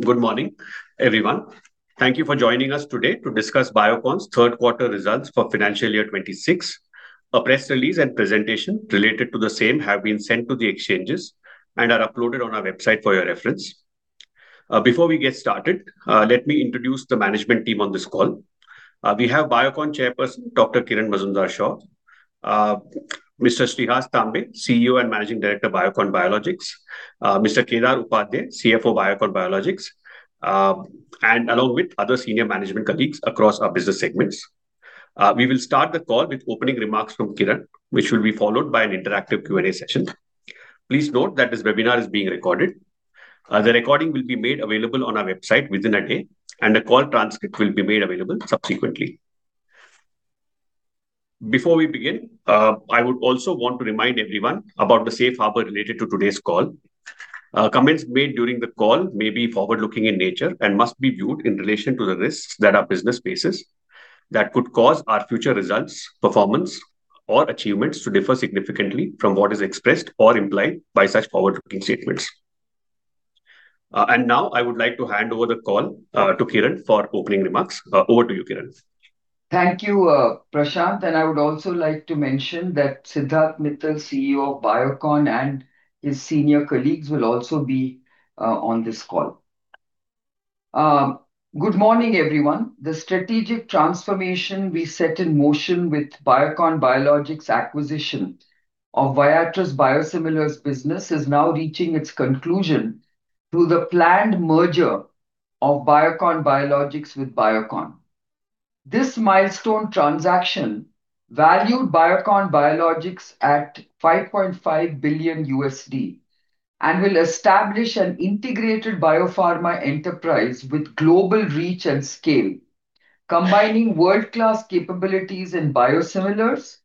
Good morning, everyone. Thank you for joining us today to discuss Biocon's third-quarter results for financial year 2026. A press release and presentation related to the same have been sent to the exchanges and are uploaded on our website for your reference. Before we get started, let me introduce the management team on this call. We have Biocon Chairperson, Dr. Kiran Mazumdar-Shaw, Mr. Shreehas Tambe, CEO and Managing Director, Biocon Biologics, Mr. Kedar Upadhye, CFO, Biocon Biologics, and along with other senior management colleagues across our business segments. We will start the call with opening remarks from Kiran, which will be followed by an interactive Q&A session. Please note that this webinar is being recorded. The recording will be made available on our website within a day, and the call transcript will be made available subsequently. Before we begin, I would also want to remind everyone about the safe harbor related to today's call. Comments made during the call may be forward-looking in nature and must be viewed in relation to the risks that our business faces that could cause our future results, performance, or achievements to differ significantly from what is expressed or implied by such forward-looking statements. Now I would like to hand over the call to Kiran for opening remarks. Over to you, Kiran. Thank you, Prashant, and I would also like to mention that Siddharth Mittal, CEO of Biocon, and his senior colleagues will also be on this call. Good morning, everyone. The strategic transformation we set in motion with Biocon Biologics acquisition of Viatris Biosimilars business is now reaching its conclusion through the planned merger of Biocon Biologics with Biocon. This milestone transaction valued Biocon Biologics at $5.5 billion, and will establish an integrated biopharma enterprise with global reach and scale, combining world-class capabilities and biosimilars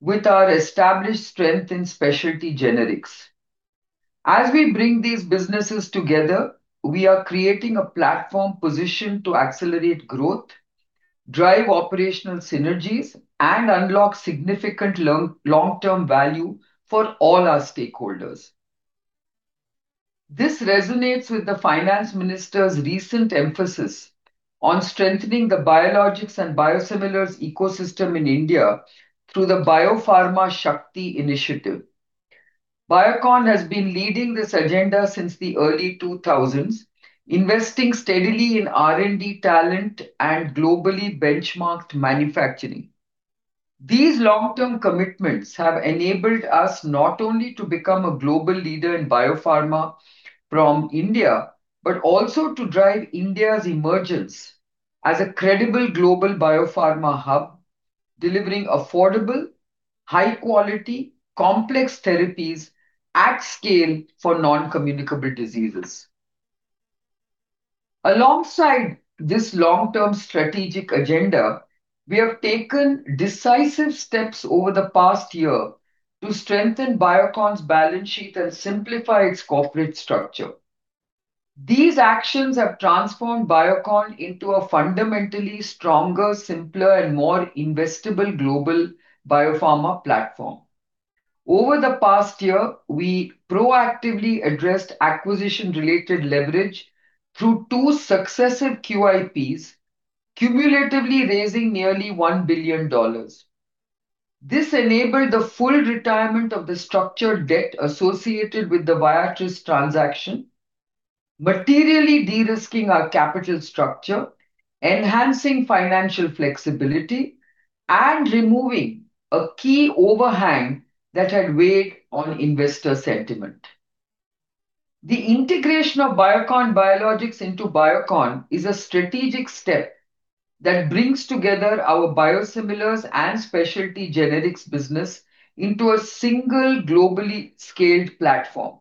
with our established strength in specialty generics. As we bring these businesses together, we are creating a platform position to accelerate growth, drive operational synergies, and unlock significant long-term value for all our stakeholders. This resonates with the Finance Minister's recent emphasis on strengthening the biologics and biosimilars ecosystem in India through the Biopharma SHAKTI Initiative. Biocon has been leading this agenda since the early 2000s, investing steadily in R&D talent and globally benchmarked manufacturing. These long-term commitments have enabled us not only to become a global leader in biopharma from India, but also to drive India's emergence as a credible global biopharma hub, delivering affordable, high-quality, complex therapies at scale for non-communicable diseases. Alongside this long-term strategic agenda, we have taken decisive steps over the past year to strengthen Biocon's balance sheet and simplify its corporate structure. These actions have transformed Biocon into a fundamentally stronger, simpler, and more investable global biopharma platform. Over the past year, we proactively addressed acquisition-related leverage through two successive QIPs, cumulatively raising nearly $1 billion. This enabled the full retirement of the structured debt associated with the Viatris transaction, materially de-risking our capital structure, enhancing financial flexibility, and removing a key overhang that had weighed on investor sentiment. The integration of Biocon Biologics into Biocon is a strategic step that brings together our biosimilars and specialty generics business into a single globally scaled platform.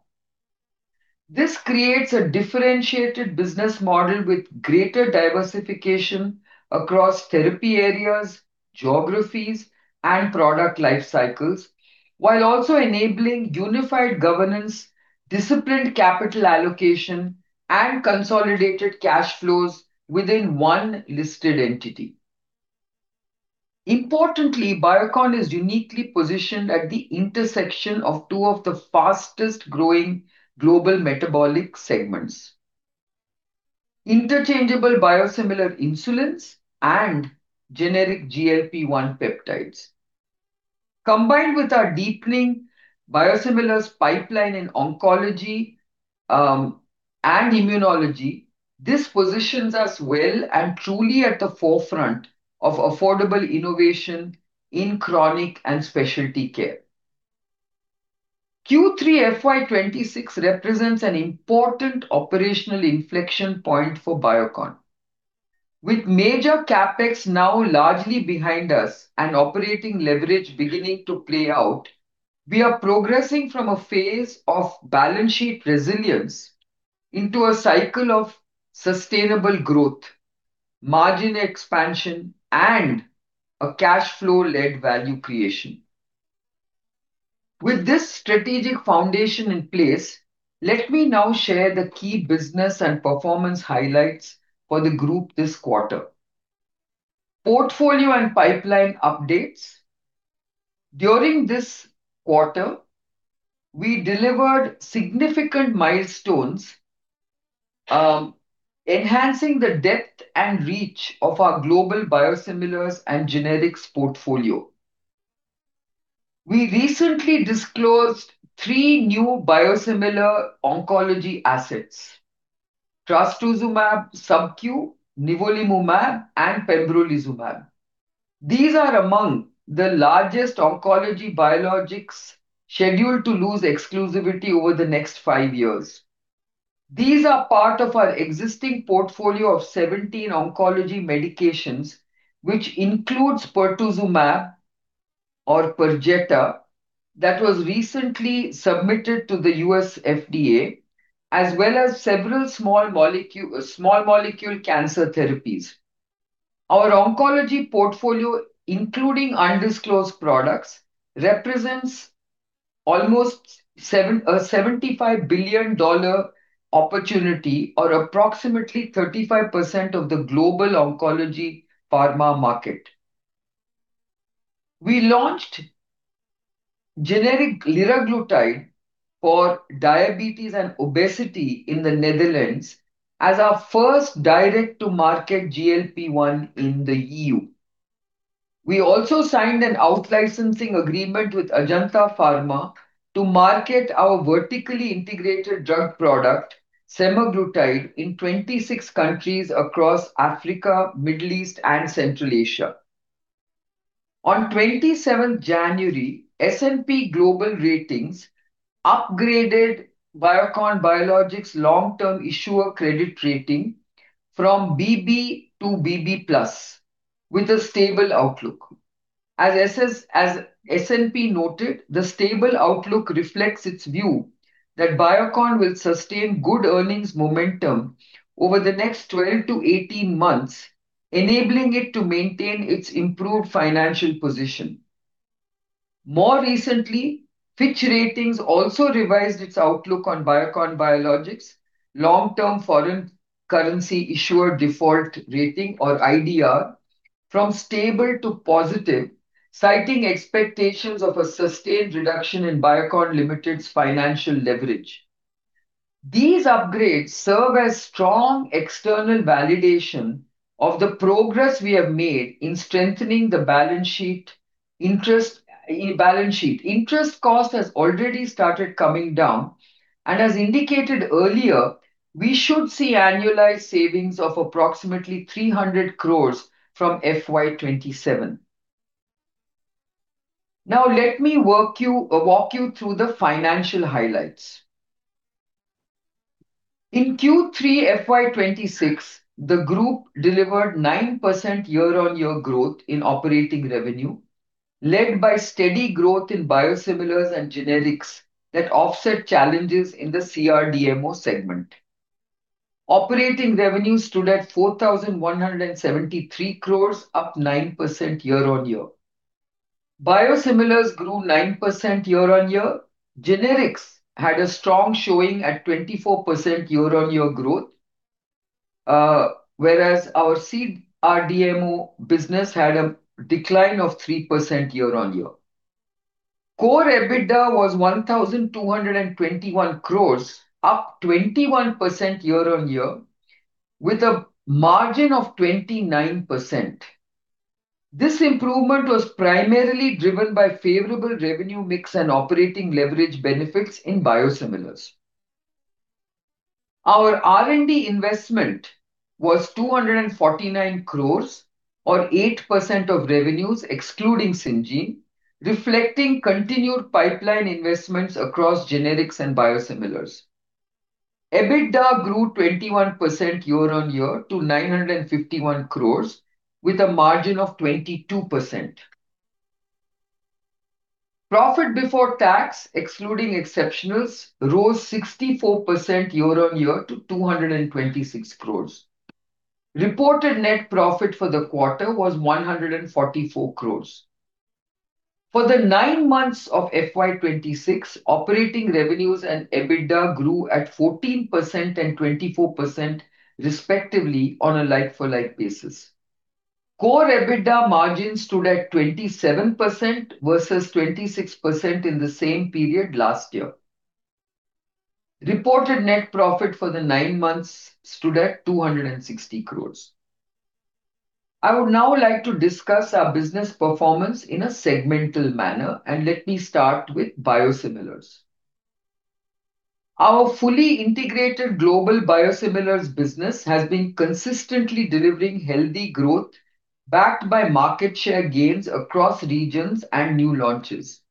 This creates a differentiated business model with greater diversification across therapy areas, geographies, and product life cycles, while also enabling unified governance, disciplined capital allocation, and consolidated cash flows within one listed entity. Importantly, Biocon is uniquely positioned at the intersection of two of the fastest-growing global metabolic segments: interchangeable biosimilar insulins and generic GLP-1 peptides. Combined with our deepening biosimilars pipeline in oncology, and immunology, this positions us well and truly at the forefront of affordable innovation in chronic and specialty care. Q3 FY 2026 represents an important operational inflection point for Biocon. With major CapEx now largely behind us and operating leverage beginning to play out, we are progressing from a phase of balance sheet resilience into a cycle of sustainable growth, margin expansion, and a cash flow-led value creation. With this strategic foundation in place, let me now share the key business and performance highlights for the group this quarter. Portfolio and pipeline updates. During this quarter, we delivered significant milestones, enhancing the depth and reach of our global biosimilars and generics portfolio. We recently disclosed three new biosimilar oncology assets: trastuzumab subcu, nivolumab, and pembrolizumab. These are among the largest oncology biologics scheduled to lose exclusivity over the next five years. These are part of our existing portfolio of 17 oncology medications, which includes pertuzumab, or Perjeta, that was recently submitted to the U.S. FDA, as well as several small molecule, small molecule cancer therapies. Our oncology portfolio, including undisclosed products, represents almost $75 billion opportunity, or approximately 35% of the global oncology pharma market. We launched generic liraglutide for diabetes and obesity in the Netherlands as our first direct-to-market GLP-1 in the EU. We also signed an out-licensing agreement with Ajanta Pharma to market our vertically integrated drug product, semaglutide, in 26 countries across Africa, Middle East, and Central Asia. On 27th January, S&P Global Ratings upgraded Biocon Biologics' long-term issuer credit rating from BB to BB+ with a stable outlook. As S&P noted, the stable outlook reflects its view that Biocon will sustain good earnings momentum over the next 12-18 months, enabling it to maintain its improved financial position. More recently, Fitch Ratings also revised its outlook on Biocon Biologics' long-term foreign currency issuer default rating, or IDR, from stable to positive, citing expectations of a sustained reduction in Biocon Limited's financial leverage. These upgrades serve as strong external validation of the progress we have made in strengthening the balance sheet. Interest cost has already started coming down, and as indicated earlier, we should see annualized savings of approximately 300 crores from FY 2027. Now, let me walk you through the financial highlights. In Q3 FY 2026, the group delivered 9% year-on-year growth in operating revenue, led by steady growth in biosimilars and generics that offset challenges in the CRDMO segment. Operating revenue stood at 4,173 crore, up 9% year-on-year. Biosimilars grew 9% year-on-year. Generics had a strong showing at 24% year-on-year growth, whereas our CRDMO business had a decline of 3% year-on-year. Core EBITDA was 1,221 crore, up 21% year-on-year, with a margin of 29%. This improvement was primarily driven by favorable revenue mix and operating leverage benefits in biosimilars. Our R&D investment was 249 crore, or 8% of revenues, excluding Syngene, reflecting continued pipeline investments across generics and biosimilars. EBITDA grew 21% year-on-year to 951 crores, with a margin of 22%. Profit before tax, excluding exceptionals, rose 64% year-on-year to 226 crores. Reported net profit for the quarter was 144 crores. For the nine months of FY 2026, operating revenues and EBITDA grew at 14% and 24%, respectively, on a like-for-like basis. Core EBITDA margin stood at 27% versus 26% in the same period last year. Reported net profit for the nine months stood at 260 crores. I would now like to discuss our business performance in a segmental manner, and let me start with biosimilars. Our fully integrated global biosimilars business has been consistently delivering healthy growth, backed by market share gains across regions and new launches.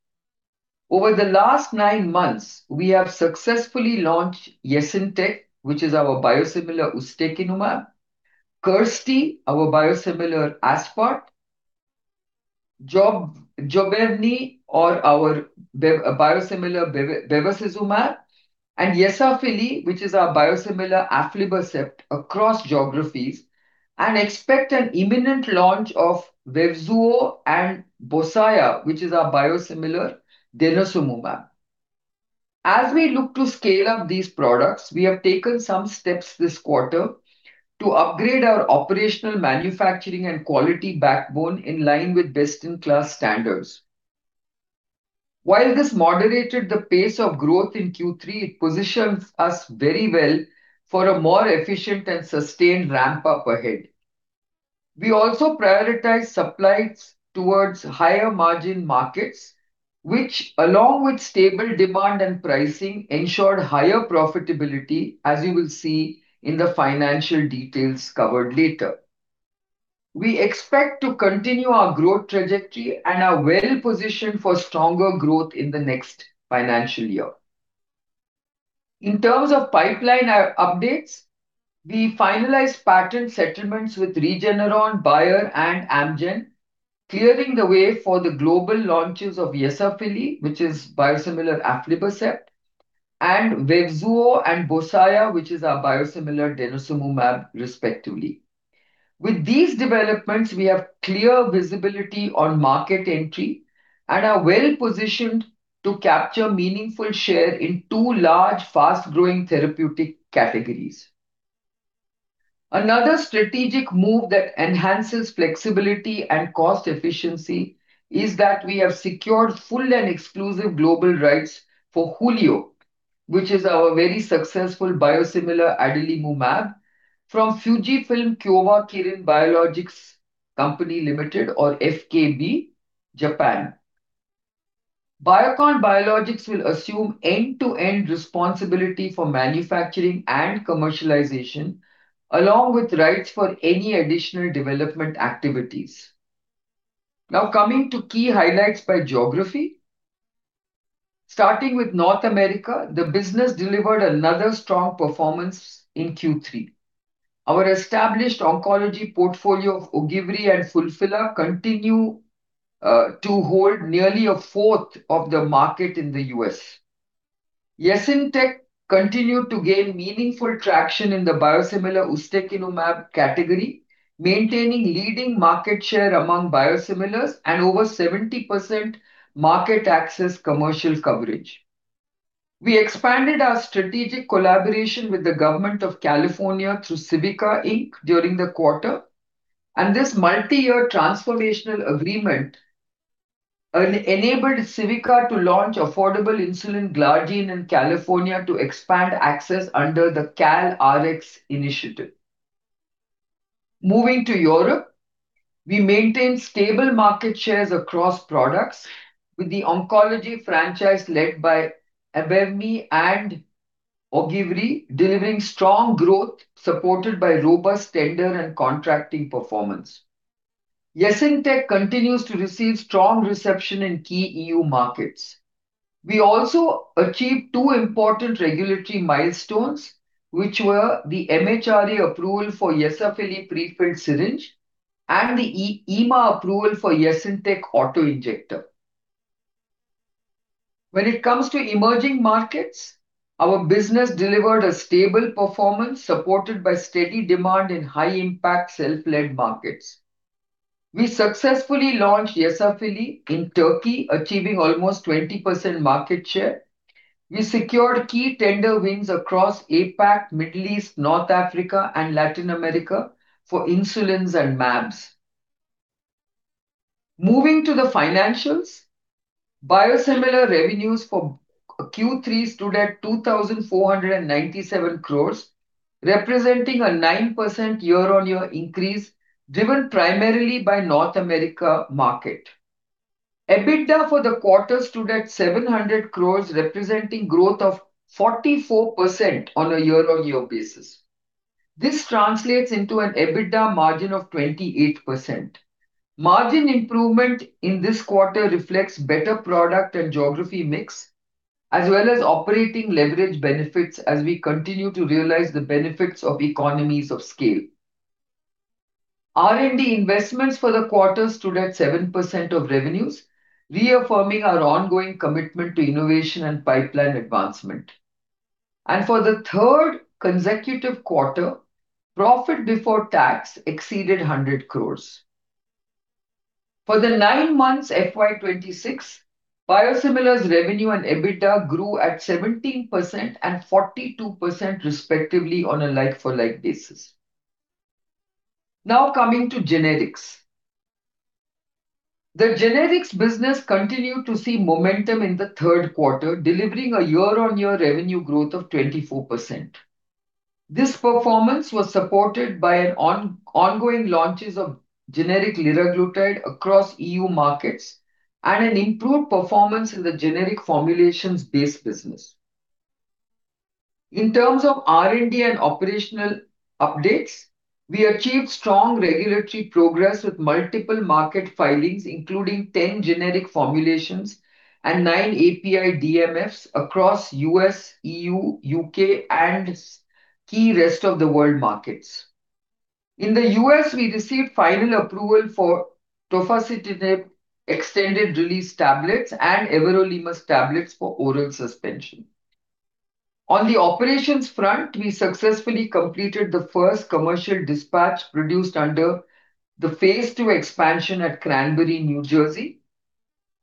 Over the last nine months, we have successfully launched YESINTEK, which is our biosimilar ustekinumab, Kirsty, our biosimilar aspart, Jobevne, our biosimilar bevacizumab, and YESAFILI, which is our biosimilar aflibercept, across geographies, and expect an imminent launch of Vevzuo and BOSAYA, which is our biosimilar denosumab. As we look to scale up these products, we have taken some steps this quarter to upgrade our operational manufacturing and quality backbone in line with best-in-class standards. While this moderated the pace of growth in Q3, it positions us very well for a more efficient and sustained ramp-up ahead. We also prioritize supplies towards higher-margin markets, which, along with stable demand and pricing, ensured higher profitability, as you will see in the financial details covered later. We expect to continue our growth trajectory and are well positioned for stronger growth in the next financial year. In terms of pipeline updates, we finalized patent settlements with Regeneron, Bayer, and Amgen, clearing the way for the global launches of YESAFILI, which is biosimilar aflibercept, and Vevzuo and BOSAYA, which is our biosimilar denosumab, respectively. With these developments, we have clear visibility on market entry and are well positioned to capture meaningful share in two large, fast-growing therapeutic categories. Another strategic move that enhances flexibility and cost efficiency is that we have secured full and exclusive global rights for HULIO, which is our very successful biosimilar adalimumab from Fujifilm Kyowa Kirin Biologics Company Limited, or FKB, Japan. Biocon Biologics will assume end-to-end responsibility for manufacturing and commercialization, along with rights for any additional development activities. Now, coming to key highlights by geography. Starting with North America, the business delivered another strong performance in Q3. Our established oncology portfolio of OGIVRI and FULPHILA continue to hold nearly a fourth of the market in the U.S. YESINTEK continued to gain meaningful traction in the biosimilar ustekinumab category, maintaining leading market share among biosimilars and over 70% market access commercial coverage. We expanded our strategic collaboration with the Government of California through Civica, Inc during the quarter, and this multi-year transformational agreement enabled Civica to launch affordable insulin glargine in California to expand access under the CalRx initiative. Moving to Europe, we maintained stable market shares across products, with the oncology franchise led by ABEVMY and OGIVRI, delivering strong growth, supported by robust tender and contracting performance. YESINTEK continues to receive strong reception in key EU markets. We also achieved two important regulatory milestones, which were the MHRA approval for YESAFILI prefilled syringe and the EMA approval for YESINTEK auto-injector. When it comes to emerging markets, our business delivered a stable performance, supported by steady demand in high-impact, self-led markets. We successfully launched YESAFILI in Turkey, achieving almost 20% market share. We secured key tender wins across APAC, Middle East, North Africa, and Latin America for insulins and MABs. Moving to the financials, biosimilar revenues for Q3 stood at 2,497 crore, representing a 9% year-on-year increase, driven primarily by North America market. EBITDA for the quarter stood at 700 crore, representing growth of 44% on a year-on-year basis. This translates into an EBITDA margin of 28%. Margin improvement in this quarter reflects better product and geography mix, as well as operating leverage benefits as we continue to realize the benefits of economies of scale. R&D investments for the quarter stood at 7% of revenues, reaffirming our ongoing commitment to innovation and pipeline advancement. For the third consecutive quarter, profit before tax exceeded 100 crore. For the nine months, FY 2026, biosimilars revenue and EBITDA grew at 17% and 42%, respectively, on a like-for-like basis. Now, coming to generics. The generics business continued to see momentum in the third quarter, delivering a year-on-year revenue growth of 24%. This performance was supported by ongoing launches of generic liraglutide across EU markets and an improved performance in the generic formulations-based business. In terms of R&D and operational updates, we achieved strong regulatory progress with multiple market filings, including 10 generic formulations and nine API DMFs across U.S., EU, U.K., and key rest-of-the-world markets. In the U.S., we received final approval for tofacitinib extended-release tablets and everolimus tablets for oral suspension. On the operations front, we successfully completed the first commercial dispatch produced under the Phase 2 expansion at Cranbury, New Jersey.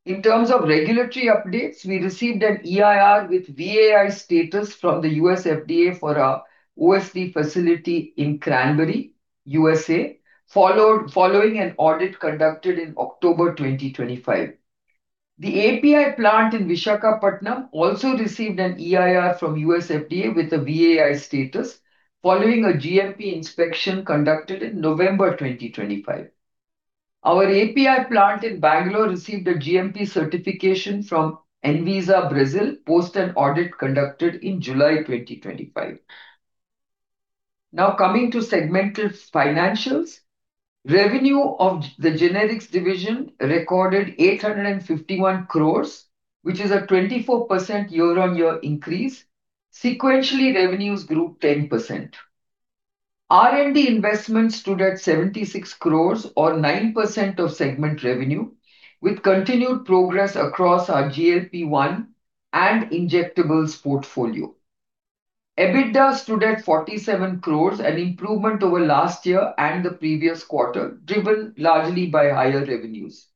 In terms of regulatory updates, we received an EIR with VAI status from the U.S. FDA for our OSD facility in Cranbury, U.S.A, following an audit conducted in October 2025. The API plant in Visakhapatnam also received an EIR from U.S. FDA with a VAI status following a GMP inspection conducted in November 2025. Our API plant in Bangalore received a GMP certification from ANVISA, Brazil, post an audit conducted in July 2025. Now coming to segmental financials. Revenue of the generics division recorded 851 crore, which is a 24% year-on-year increase. Sequentially, revenues grew 10%. R&D investments stood at 76 crore, or 9% of segment revenue, with continued progress across our GLP-1 and injectables portfolio. EBITDA stood at 47 crore, an improvement over last year and the previous quarter, driven largely by higher revenues.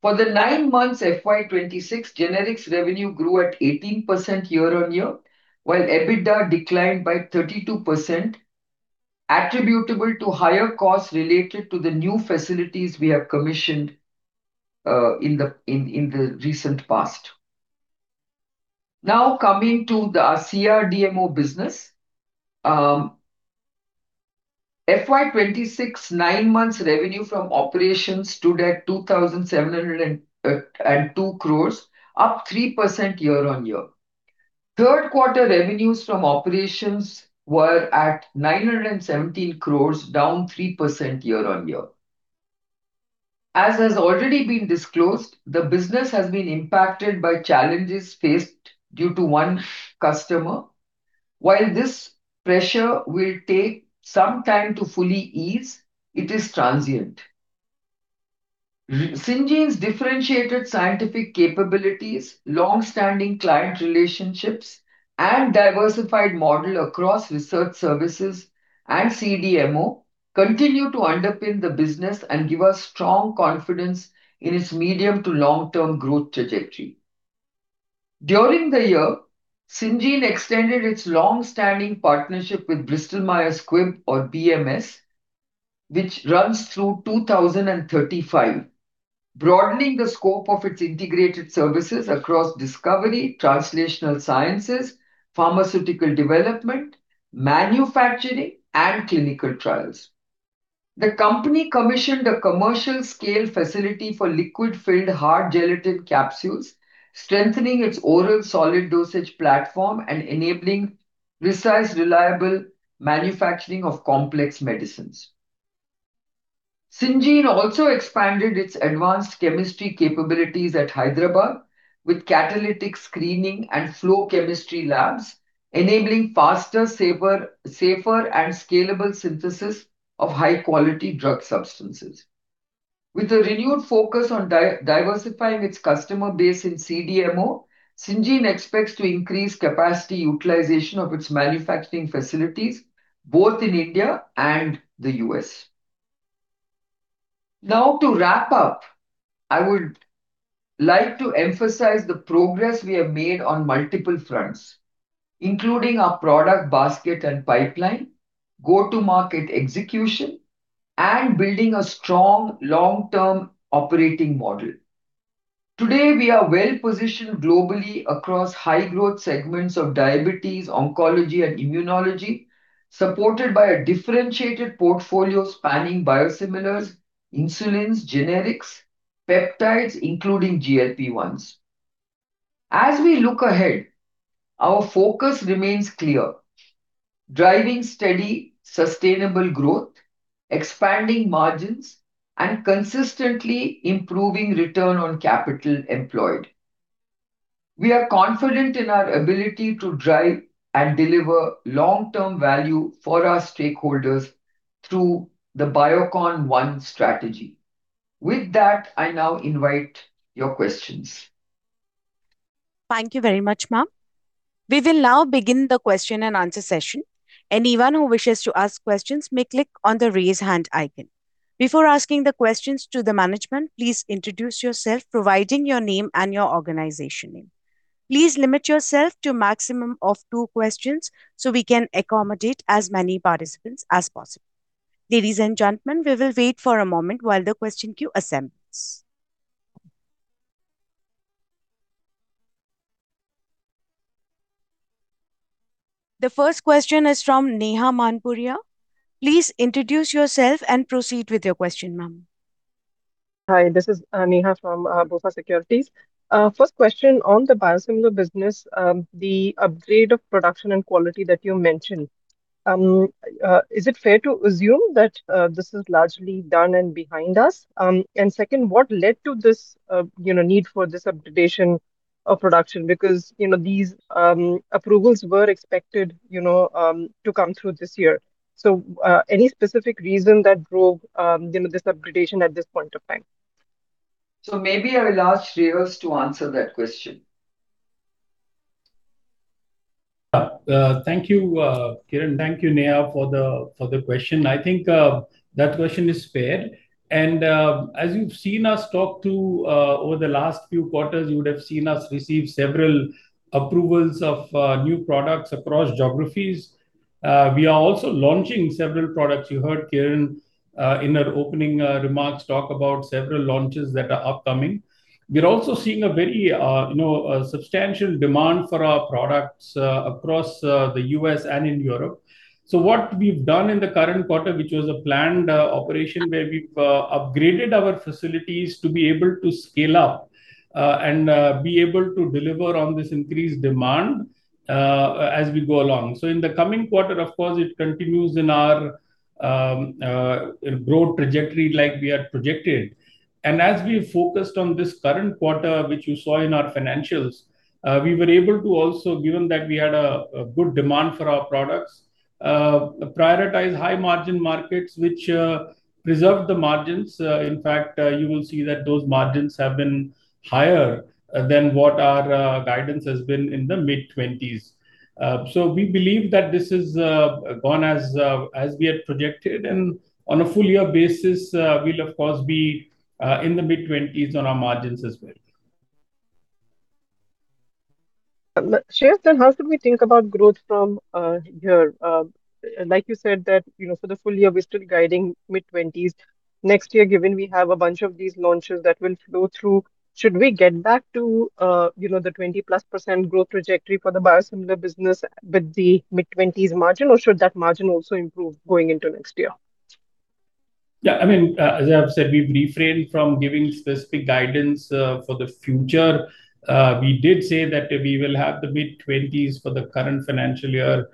For the nine months FY 2026, generics revenue grew at 18% year-on-year, while EBITDA declined by 32%, attributable to higher costs related to the new facilities we have commissioned in the recent past. Now, coming to the CDMO business. FY 2026 nine months revenue from operations stood at 2,702 crore, up 3% year-on-year. Third quarter revenues from operations were at 917 crore, down 3% year-on-year. As has already been disclosed, the business has been impacted by challenges faced due to one customer. While this pressure will take some time to fully ease, it is transient. Syngene's differentiated scientific capabilities, long-standing client relationships, and diversified model across research services and CDMO continue to underpin the business and give us strong confidence in its medium to long-term growth trajectory. During the year, Syngene extended its long-standing partnership with Bristol Myers Squibb, or BMS, which runs through 2035, broadening the scope of its integrated services across discovery, translational sciences, pharmaceutical development, manufacturing, and clinical trials. The company commissioned a commercial-scale facility for liquid-filled hard gelatin capsules, strengthening its oral solid dosage platform and enabling precise, reliable manufacturing of complex medicines. Syngene also expanded its advanced chemistry capabilities at Hyderabad with catalytic screening and flow chemistry labs, enabling faster, safer and scalable synthesis of high-quality drug substances. With a renewed focus on diversifying its customer base in CDMO, Syngene expects to increase capacity utilization of its manufacturing facilities, both in India and the U.S. Now, to wrap up, I would like to emphasize the progress we have made on multiple fronts, including our product basket and pipeline, go-to-market execution, and building a strong long-term operating model. Today, we are well positioned globally across high-growth segments of diabetes, oncology, and immunology, supported by a differentiated portfolio spanning biosimilars, insulins, generics, peptides, including GLP-1s. As we look ahead, our focus remains clear: driving steady, sustainable growth, expanding margins, and consistently improving return on capital employed. We are confident in our ability to drive and deliver long-term value for our stakeholders through the Biocon One strategy. With that, I now invite your questions. Thank you very much, ma'am. We will now begin the question-and-answer session. Anyone who wishes to ask questions may click on the Raise Hand icon. Before asking the questions to the management, please introduce yourself, providing your name and your organization name. Please limit yourself to a maximum of two questions so we can accommodate as many participants as possible. Ladies and gentlemen, we will wait for a moment while the question queue assembles. The first question is from Neha Manpuria. Please introduce yourself and proceed with your question, ma'am. Hi, this is Neha from BofA Securities. First question on the biosimilar business. The upgrade of production and quality that you mentioned, is it fair to assume that this is largely done and behind us? And second, what led to this, you know, need for this upgradation of production? Because, you know, these approvals were expected, you know, to come through this year. So, any specific reason that drove, you know, this upgradation at this point of time? Maybe I will ask Shreehas to answer that question. Thank you, Kiran, thank you, Neha, for the question. I think that question is fair, and as you've seen us talk to over the last few quarters, you would have seen us receive several approvals of new products across geographies. We are also launching several products. You heard Kiran in her opening remarks talk about several launches that are upcoming. We're also seeing a very, you know, substantial demand for our products across the U.S. and in Europe. So what we've done in the current quarter, which was a planned operation, where we've upgraded our facilities to be able to scale up and be able to deliver on this increased demand as we go along. So in the coming quarter, of course, it continues in our growth trajectory like we had projected. As we focused on this current quarter, which you saw in our financials, we were able to also, given that we had a good demand for our products, prioritize high-margin markets which preserved the margins. In fact, you will see that those margins have been higher than what our guidance has been in the mid-twenties. We believe that this has gone as we had projected, and on a full year basis, we'll of course be in the mid-twenties on our margins as well. Shreehas, then how could we think about growth from here? Like you said, that, you know, for the full year, we're still guiding mid-20s. Next year, given we have a bunch of these launches that will flow through, should we get back to, you know, the 20+% growth trajectory for the biosimilar business with the mid-20s margin, or should that margin also improve going into next year? Yeah, I mean, as I've said, we've refrained from giving specific guidance for the future. We did say that we will have the mid-twenties for the current financial year.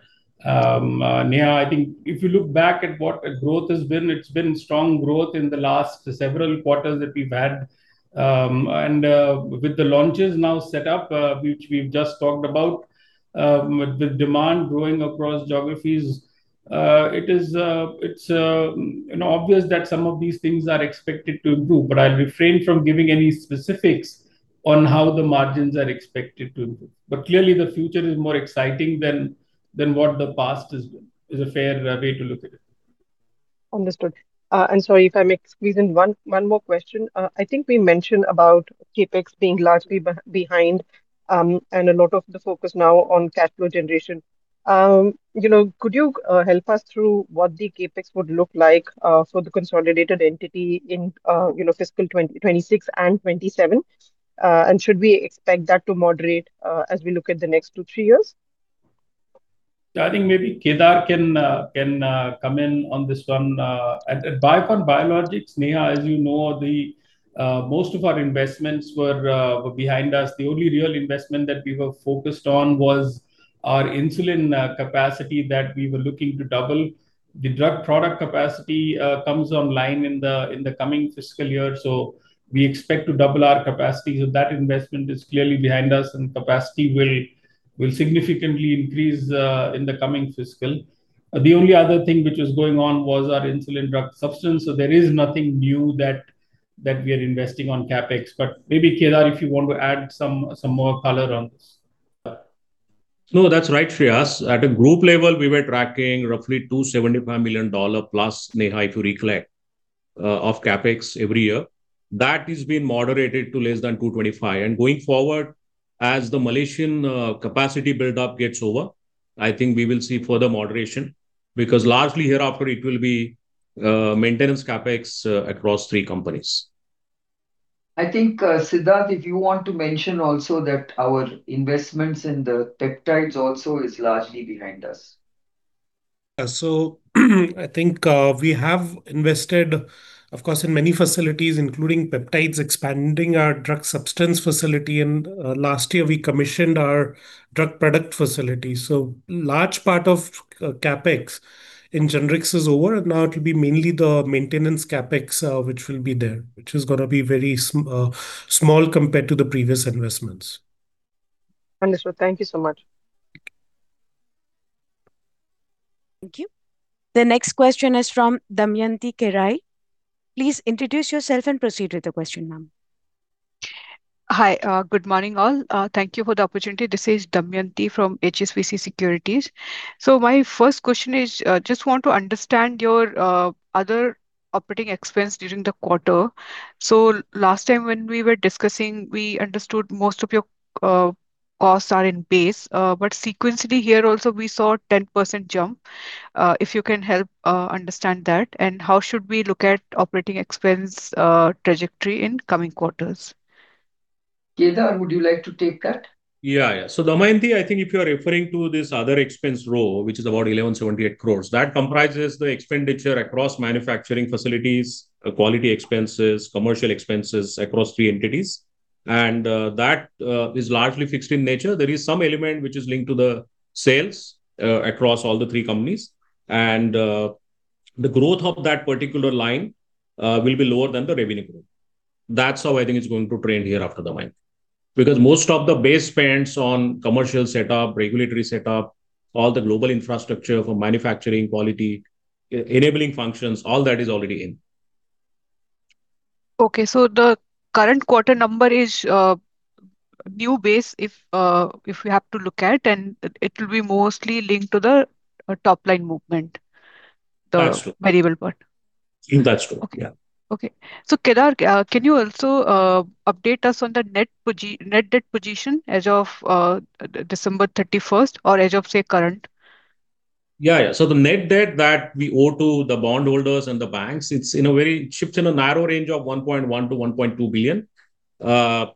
Neha, I think if you look back at what the growth has been, it's been strong growth in the last several quarters that we've had. And, with the launches now set up, which we've just talked about, with the demand growing across geographies, it is, it's, you know, obvious that some of these things are expected to improve, but I'll refrain from giving any specifics on how the margins are expected to improve. But clearly, the future is more exciting than, than what the past has been, is a fair way to look at it. Understood. And sorry, if I may squeeze in one more question. I think we mentioned about CapEx being largely behind, and a lot of the focus now on cash flow generation. You know, could you help us through what the CapEx would look like for the consolidated entity in fiscal 2026 and 2027? And should we expect that to moderate as we look at the next two, three years? I think maybe Kedar can come in on this one. At Biocon Biologics, Neha, as you know, the most of our investments were behind us. The only real investment that we were focused on was our insulin capacity that we were looking to double. The drug product capacity comes online in the coming fiscal year, so we expect to double our capacity. So that investment is clearly behind us, and capacity will significantly increase in the coming fiscal. The only other thing which was going on was our insulin drug substance, so there is nothing new that we are investing on CapEx. But maybe, Kedar, if you want to add some more color on this. No, that's right, Shreehas. At a group level, we were tracking roughly $275 million+, Neha, if you recall, of CapEx every year. That has been moderated to less than $225, and going forward, as the Malaysian capacity build-up gets over, I think we will see further moderation, because largely hereafter it will be maintenance CapEx across three companies. I think, Siddharth, if you want to mention also that our investments in the peptides also is largely behind us. So, I think we have invested, of course, in many facilities, including peptides, expanding our drug substance facility, and last year we commissioned our drug product facility. So, large part of CapEx in Generics is over, and now it will be mainly the maintenance CapEx, which will be there, which is gonna be very small compared to the previous investments. Understood. Thank you so much. Thank you. The next question is from Damayanti Kerai. Please introduce yourself, and proceed with the question, ma'am. Hi, good morning, all. Thank you for the opportunity. This is Damayanti from HSBC Securities. My first question is, just want to understand your, other operating expense during the quarter. Last time when we were discussing, we understood most of your, costs are in base, but sequentially here also, we saw a 10% jump. If you can help, understand that, and how should we look at operating expense, trajectory in coming quarters? Kedar, would you like to take that? Yeah, yeah. So, Damayanti, I think if you are referring to this other expense row, which is about 1,178 crore, that comprises the expenditure across manufacturing facilities, quality expenses, commercial expenses across three entities, and, that, is largely fixed in nature. There is some element which is linked to the sales, across all the three companies, and, the growth of that particular line, will be lower than the revenue growth. That's how I think it's going to trend hereafter, Damayanti, because most of the base spends on commercial setup, regulatory setup, all the global infrastructure for manufacturing, quality, e-enabling functions, all that is already in. Okay, so the current quarter number is a new base if we have to look at, and it will be mostly linked to the top line movement. That's true. The variable part. That's true. Okay. Yeah. Okay. So, Kedar, can you also update us on the net debt position as of December 31st or as of, say, current? Yeah, yeah. So the net debt that we owe to the bondholders and the banks, it's in a very... It shifts in a narrow range of $1.1 billion-$1.2 billion.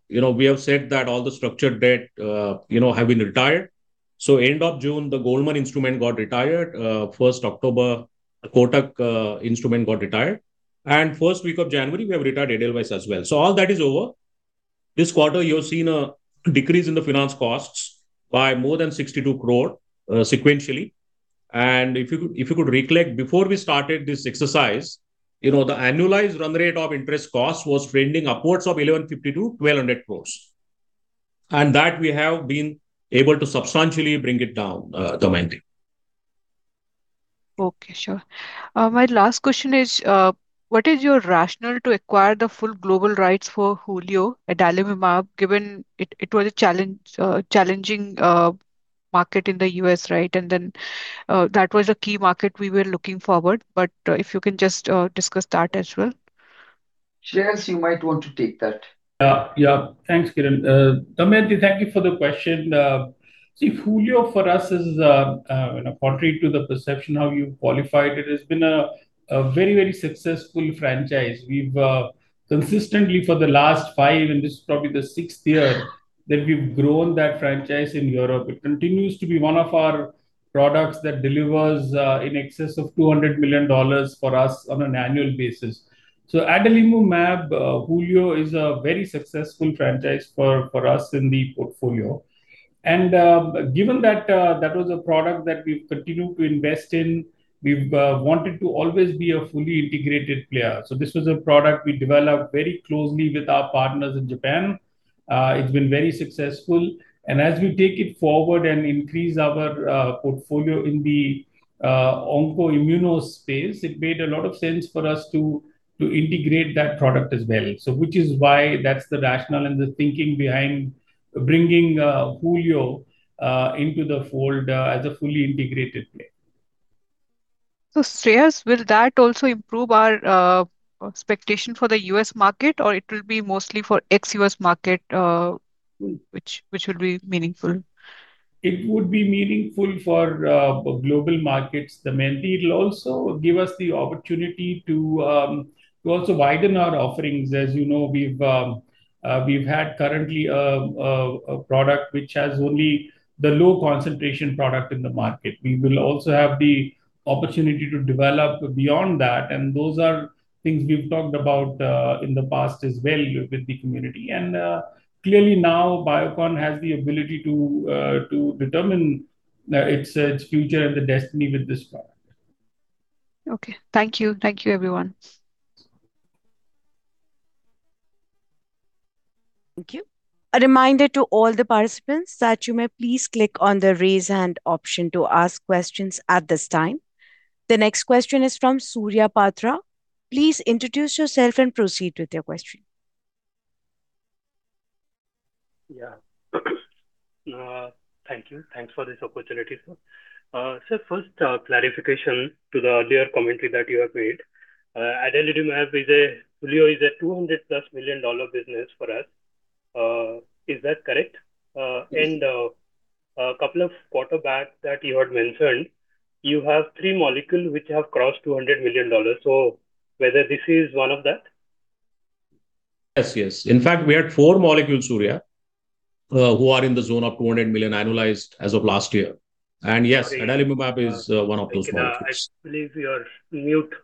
You know, we have said that all the structured debt, you know, have been retired. So end of June, the Goldman instrument got retired. First October, Kotak instrument got retired, and first week of January, we have retired Edelweiss as well, so all that is over. This quarter, you have seen a decrease in the finance costs by more than 62 crore, sequentially. And if you could, if you could recollect, before we started this exercise, you know, the annualized run rate of interest costs was trending upwards of 1,150 crore-1,200 crore. And that we have been able to substantially bring it down, Damayanti. Okay, sure. My last question is, what is your rationale to acquire the full global rights for HULIO adalimumab, given it, it was a challenge, challenging, market in the U.S., right? And then, that was a key market we were looking forward, but, if you can just, discuss that as well. Shreehas, you might want to take that. Yeah. Thanks, Kiran. Damayanti, thank you for the question. See, HULIO for us is, you know, contrary to the perception how you've qualified it, it's been a very, very successful franchise. We've consistently, for the last five, and this is probably the sixth year, that we've grown that franchise in Europe. It continues to be one of our products that delivers in excess of $200 million for us on an annual basis. So adalimumab, HULIO, is a very successful franchise for us in the portfolio. And, given that, that was a product that we've continued to invest in, we've wanted to always be a fully integrated player. So this was a product we developed very closely with our partners in Japan. It's been very successful, and as we take it forward and increase our portfolio in the onco-immuno space, it made a lot of sense for us to integrate that product as well. So which is why that's the rationale and the thinking behind bringing HULIO into the fold as a fully integrated play. Shreehas, will that also improve our expectation for the U.S. market, or it will be mostly for ex-U.S. market, which will be meaningful? It would be meaningful for global markets, Damayanti. It'll also give us the opportunity to also widen our offerings. As you know, we've had currently a product which has only the low concentration product in the market. We will also have the opportunity to develop beyond that, and those are things we've talked about in the past as well with the community. And clearly now Biocon has the ability to determine its future and the destiny with this product. Okay. Thank you. Thank you, everyone. Thank you. A reminder to all the participants that you may please click on the Raise Hand option to ask questions at this time. The next question is from Surya Patra. Please introduce yourself and proceed with your question. Yeah. Thank you. Thanks for this opportunity, sir. Sir, first, clarification to the earlier commentary that you have made. adalimumab is a HULIO is a $200+ million business for us. Is that correct? Yes. - And a couple of quarters back that you had mentioned, you have three molecules which have crossed $200 million. So whether this is one of that? Yes, yes. In fact, we had four molecules, Surya, who are in the zone of $200 million annualized as of last year. Yes, adalimumab is one of those molecules. Kedar, I believe you are mute.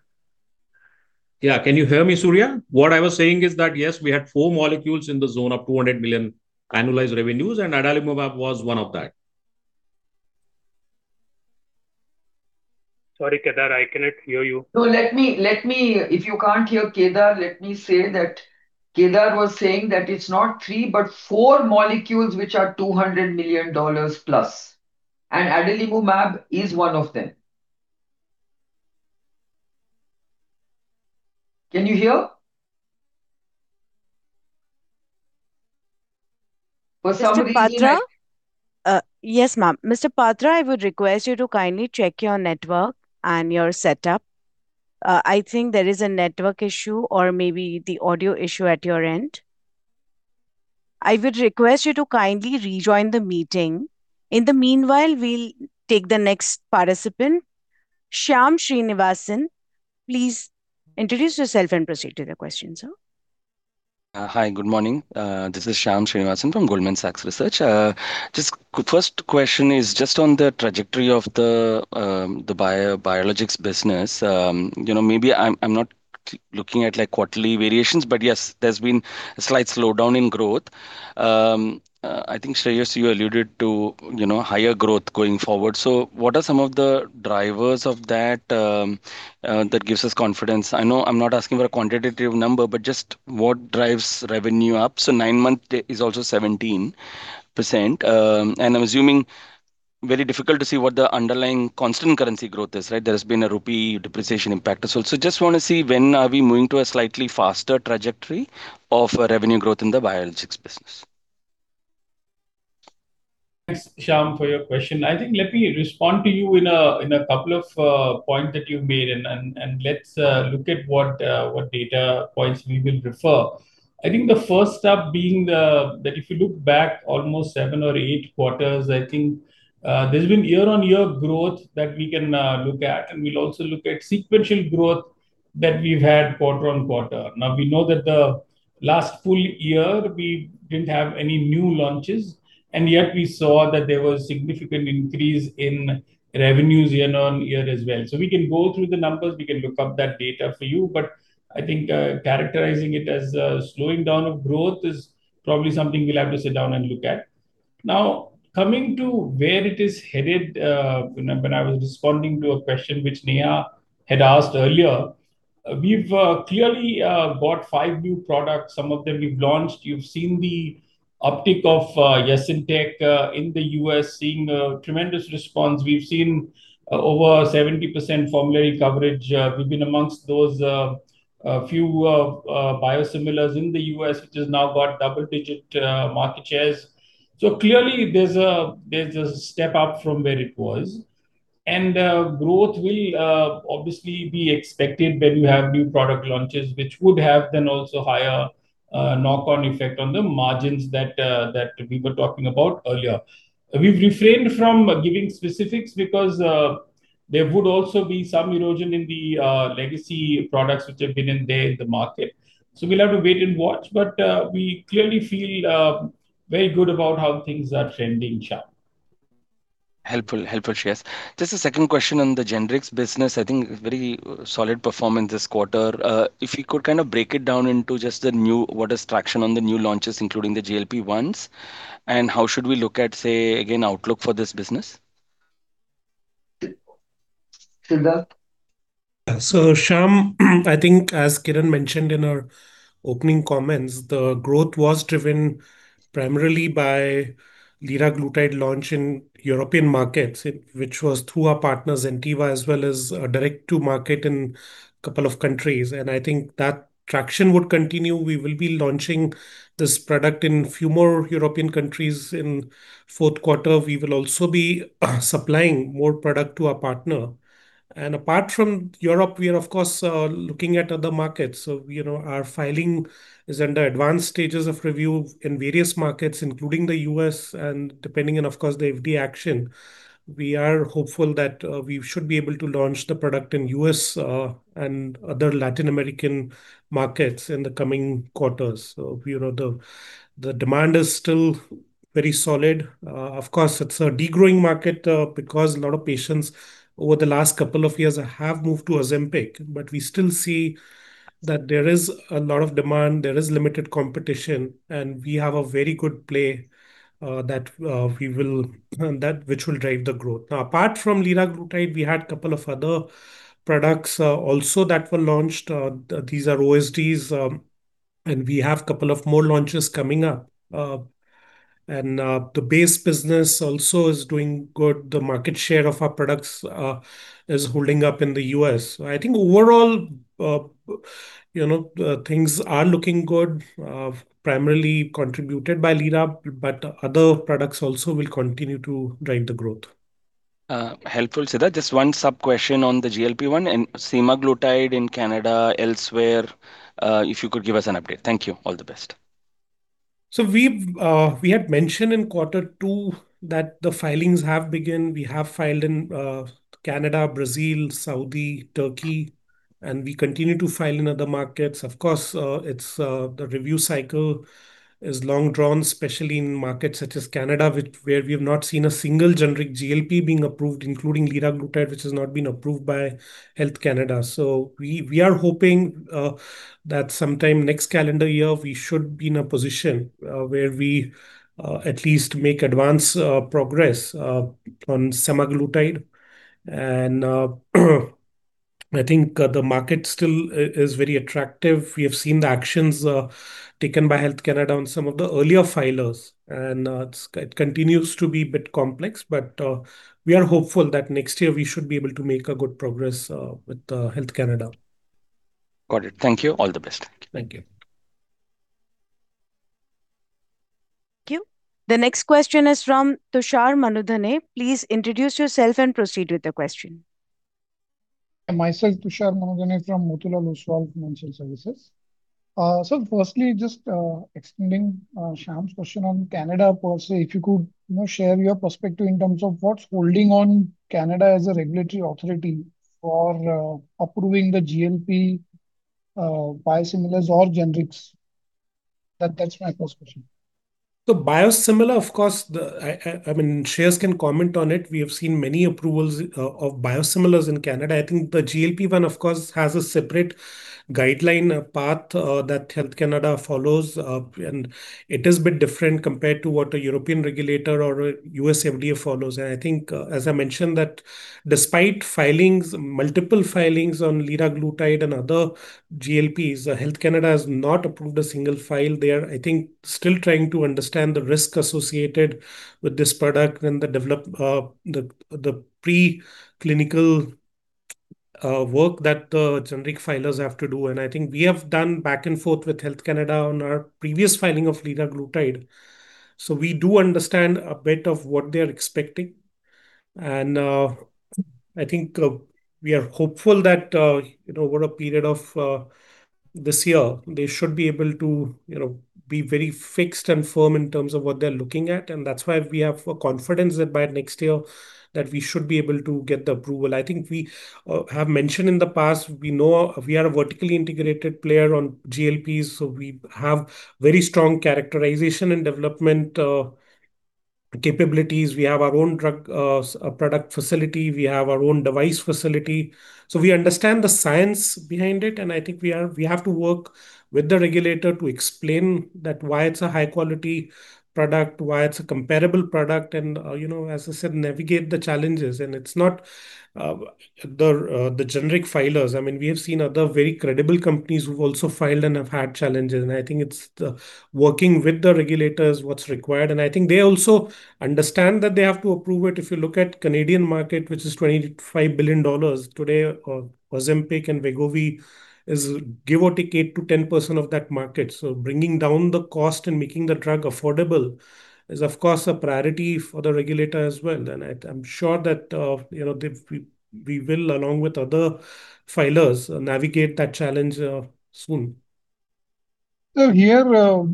Yeah. Can you hear me, Surya? What I was saying is that, yes, we had four molecules in the zone of $200 million annualized revenues, and adalimumab was one of that. Sorry, Kedar, I cannot hear you. So let me, let me... If you can't hear Kedar, let me say that Kedar was saying that it's not three, but four molecules which are $200 million+, and adalimumab is one of them. Can you hear? Was somebody- Mr. Patra? Yes, ma'am. Mr. Patra, I would request you to kindly check your network and your setup. I think there is a network issue or maybe the audio issue at your end. I would request you to kindly rejoin the meeting. In the meanwhile, we'll take the next participant. Shyam Srinivasan, please introduce yourself and proceed with your question, sir. Hi, good morning. This is Shyam Srinivasan from Goldman Sachs Research. Just first question is just on the trajectory of the biologics business. You know, maybe I'm not looking at, like, quarterly variations, but yes, there's been a slight slowdown in growth. I think, Shreehas, you alluded to, you know, higher growth going forward. So what are some of the drivers of that that gives us confidence? I know I'm not asking for a quantitative number, but just what drives revenue up? So nine-month is also 17%. And I'm assuming-... very difficult to see what the underlying constant currency growth is, right? There has been a rupee depreciation impact as well. So just want to see when are we moving to a slightly faster trajectory of revenue growth in the biologics business. Thanks, Shyam, for your question. I think let me respond to you in a, in a couple of, points that you've made and, and, and let's, look at what, what data points we will refer. I think the first step being the, that if you look back almost seven or eight quarters, I think, there's been year-on-year growth that we can, look at, and we'll also look at sequential growth that we've had quarter-on-quarter. Now, we know that the last full year we didn't have any new launches, and yet we saw that there was significant increase in revenues year-on-year as well. So we can go through the numbers, we can look up that data for you. But I think, characterizing it as a slowing down of growth is probably something we'll have to sit down and look at. Now, coming to where it is headed, when I was responding to a question which Neha had asked earlier, we've clearly bought five new products. Some of them we've launched. You've seen the uptick of YESINTEK in the U.S., seeing a tremendous response. We've seen over 70% formulary coverage. We've been amongst those few biosimilars in the U.S., which has now got double-digit market shares. So clearly there's a step up from where it was. And growth will obviously be expected when you have new product launches, which would have then also higher knock-on effect on the margins that we were talking about earlier. We've refrained from giving specifics because there would also be some erosion in the legacy products which have been in there in the market. So we'll have to wait and watch, but we clearly feel very good about how things are trending, Shyam. Helpful. Helpful, Shreehas. Just a second question on the generics business. I think very solid performance this quarter. If you could kind of break it down into just the new... What is traction on the new launches, including the GLP-1s, and how should we look at, say, again, outlook for this business? Siddharth? So Shyam, I think as Kiran mentioned in our opening comments, the growth was driven primarily by liraglutide launch in European markets, which was through our partner, Zentiva, as well as direct to market in couple of countries, and I think that traction would continue. We will be launching this product in few more European countries in fourth quarter. We will also be supplying more product to our partner. And apart from Europe, we are of course looking at other markets. So, you know, our filing is under advanced stages of review in various markets, including the U.S., and depending on, of course, the FDA action, we are hopeful that we should be able to launch the product in U.S. and other Latin American markets in the coming quarters. So, you know, the demand is still very solid. Of course, it's a degrowing market because a lot of patients over the last couple of years have moved to Ozempic, but we still see that there is a lot of demand, there is limited competition, and we have a very good play that, which will drive the growth. Now, apart from liraglutide, we had couple of other products also that were launched. These are OSDs, and we have couple of more launches coming up. And the base business also is doing good. The market share of our products is holding up in the U.S. So I think overall, you know, things are looking good, primarily contributed by liraglutide, but other products also will continue to drive the growth. Helpful, Siddharth. Just one sub-question on the GLP-1 and semaglutide in Canada, elsewhere, if you could give us an update. Thank you. All the best. So we've had mentioned in quarter two that the filings have begun. We have filed in Canada, Brazil, Saudi, Turkey, and we continue to file in other markets. Of course, it's the review cycle is long drawn, especially in markets such as Canada, which where we have not seen a single generic GLP being approved, including liraglutide, which has not been approved by Health Canada. So we are hoping that sometime next calendar year, we should be in a position where we at least make advance progress on semaglutide. And I think the market still is very attractive. We have seen the actions taken by Health Canada on some of the earlier filers, and it continues to be a bit complex, but we are hopeful that next year we should be able to make a good progress with Health Canada. Got it. Thank you. All the best. Thank you. Thank you. The next question is from Tushar Manudhane. Please introduce yourself, and proceed with the question. Myself, Tushar Manudhane from Motilal Oswal Financial Services. So firstly, just, extending, Shyam's question on Canada policy, if you could, you know, share your perspective in terms of what's holding on Canada as a regulatory authority for, approving the GLP, biosimilars or generics? That, that's my first question. The biosimilar, of course, I mean, Shreehas can comment on it. We have seen many approvals of biosimilars in Canada. I think the GLP-1, of course, has a separate guideline path that Health Canada follows, and it is a bit different compared to what a European regulator or a U.S. FDA follows. And I think, as I mentioned, that despite filings, multiple filings on liraglutide and other GLPs, Health Canada has not approved a single file. They are, I think, still trying to understand the risk associated with this product and the development, the preclinical work that the generic filers have to do, and I think we have done back and forth with Health Canada on our previous filing of liraglutide. So we do understand a bit of what they are expecting, and, I think, we are hopeful that, you know, over a period of, this year, they should be able to, you know, be very fixed and firm in terms of what they're looking at, and that's why we have confidence that by next year, that we should be able to get the approval. I think we, have mentioned in the past, we know we are a vertically integrated player on GLPs, so we have very strong characterization and development, capabilities. We have our own drug product facility, we have our own device facility, so we understand the science behind it, and I think we have to work with the regulator to explain that why it's a high-quality product, why it's a comparable product, and, you know, as I said, navigate the challenges. It's not the generic filers. I mean, we have seen other very credible companies who've also filed and have had challenges, and I think it's the working with the regulators what's required. I think they also understand that they have to approve it. If you look at Canadian market, which is $25 billion today, Ozempic and Wegovy is give or take, 8%-10% of that market. So bringing down the cost and making the drug affordable is, of course, a priority for the regulator as well. And I'm sure that, you know, we will, along with other filers, navigate that challenge soon. So here,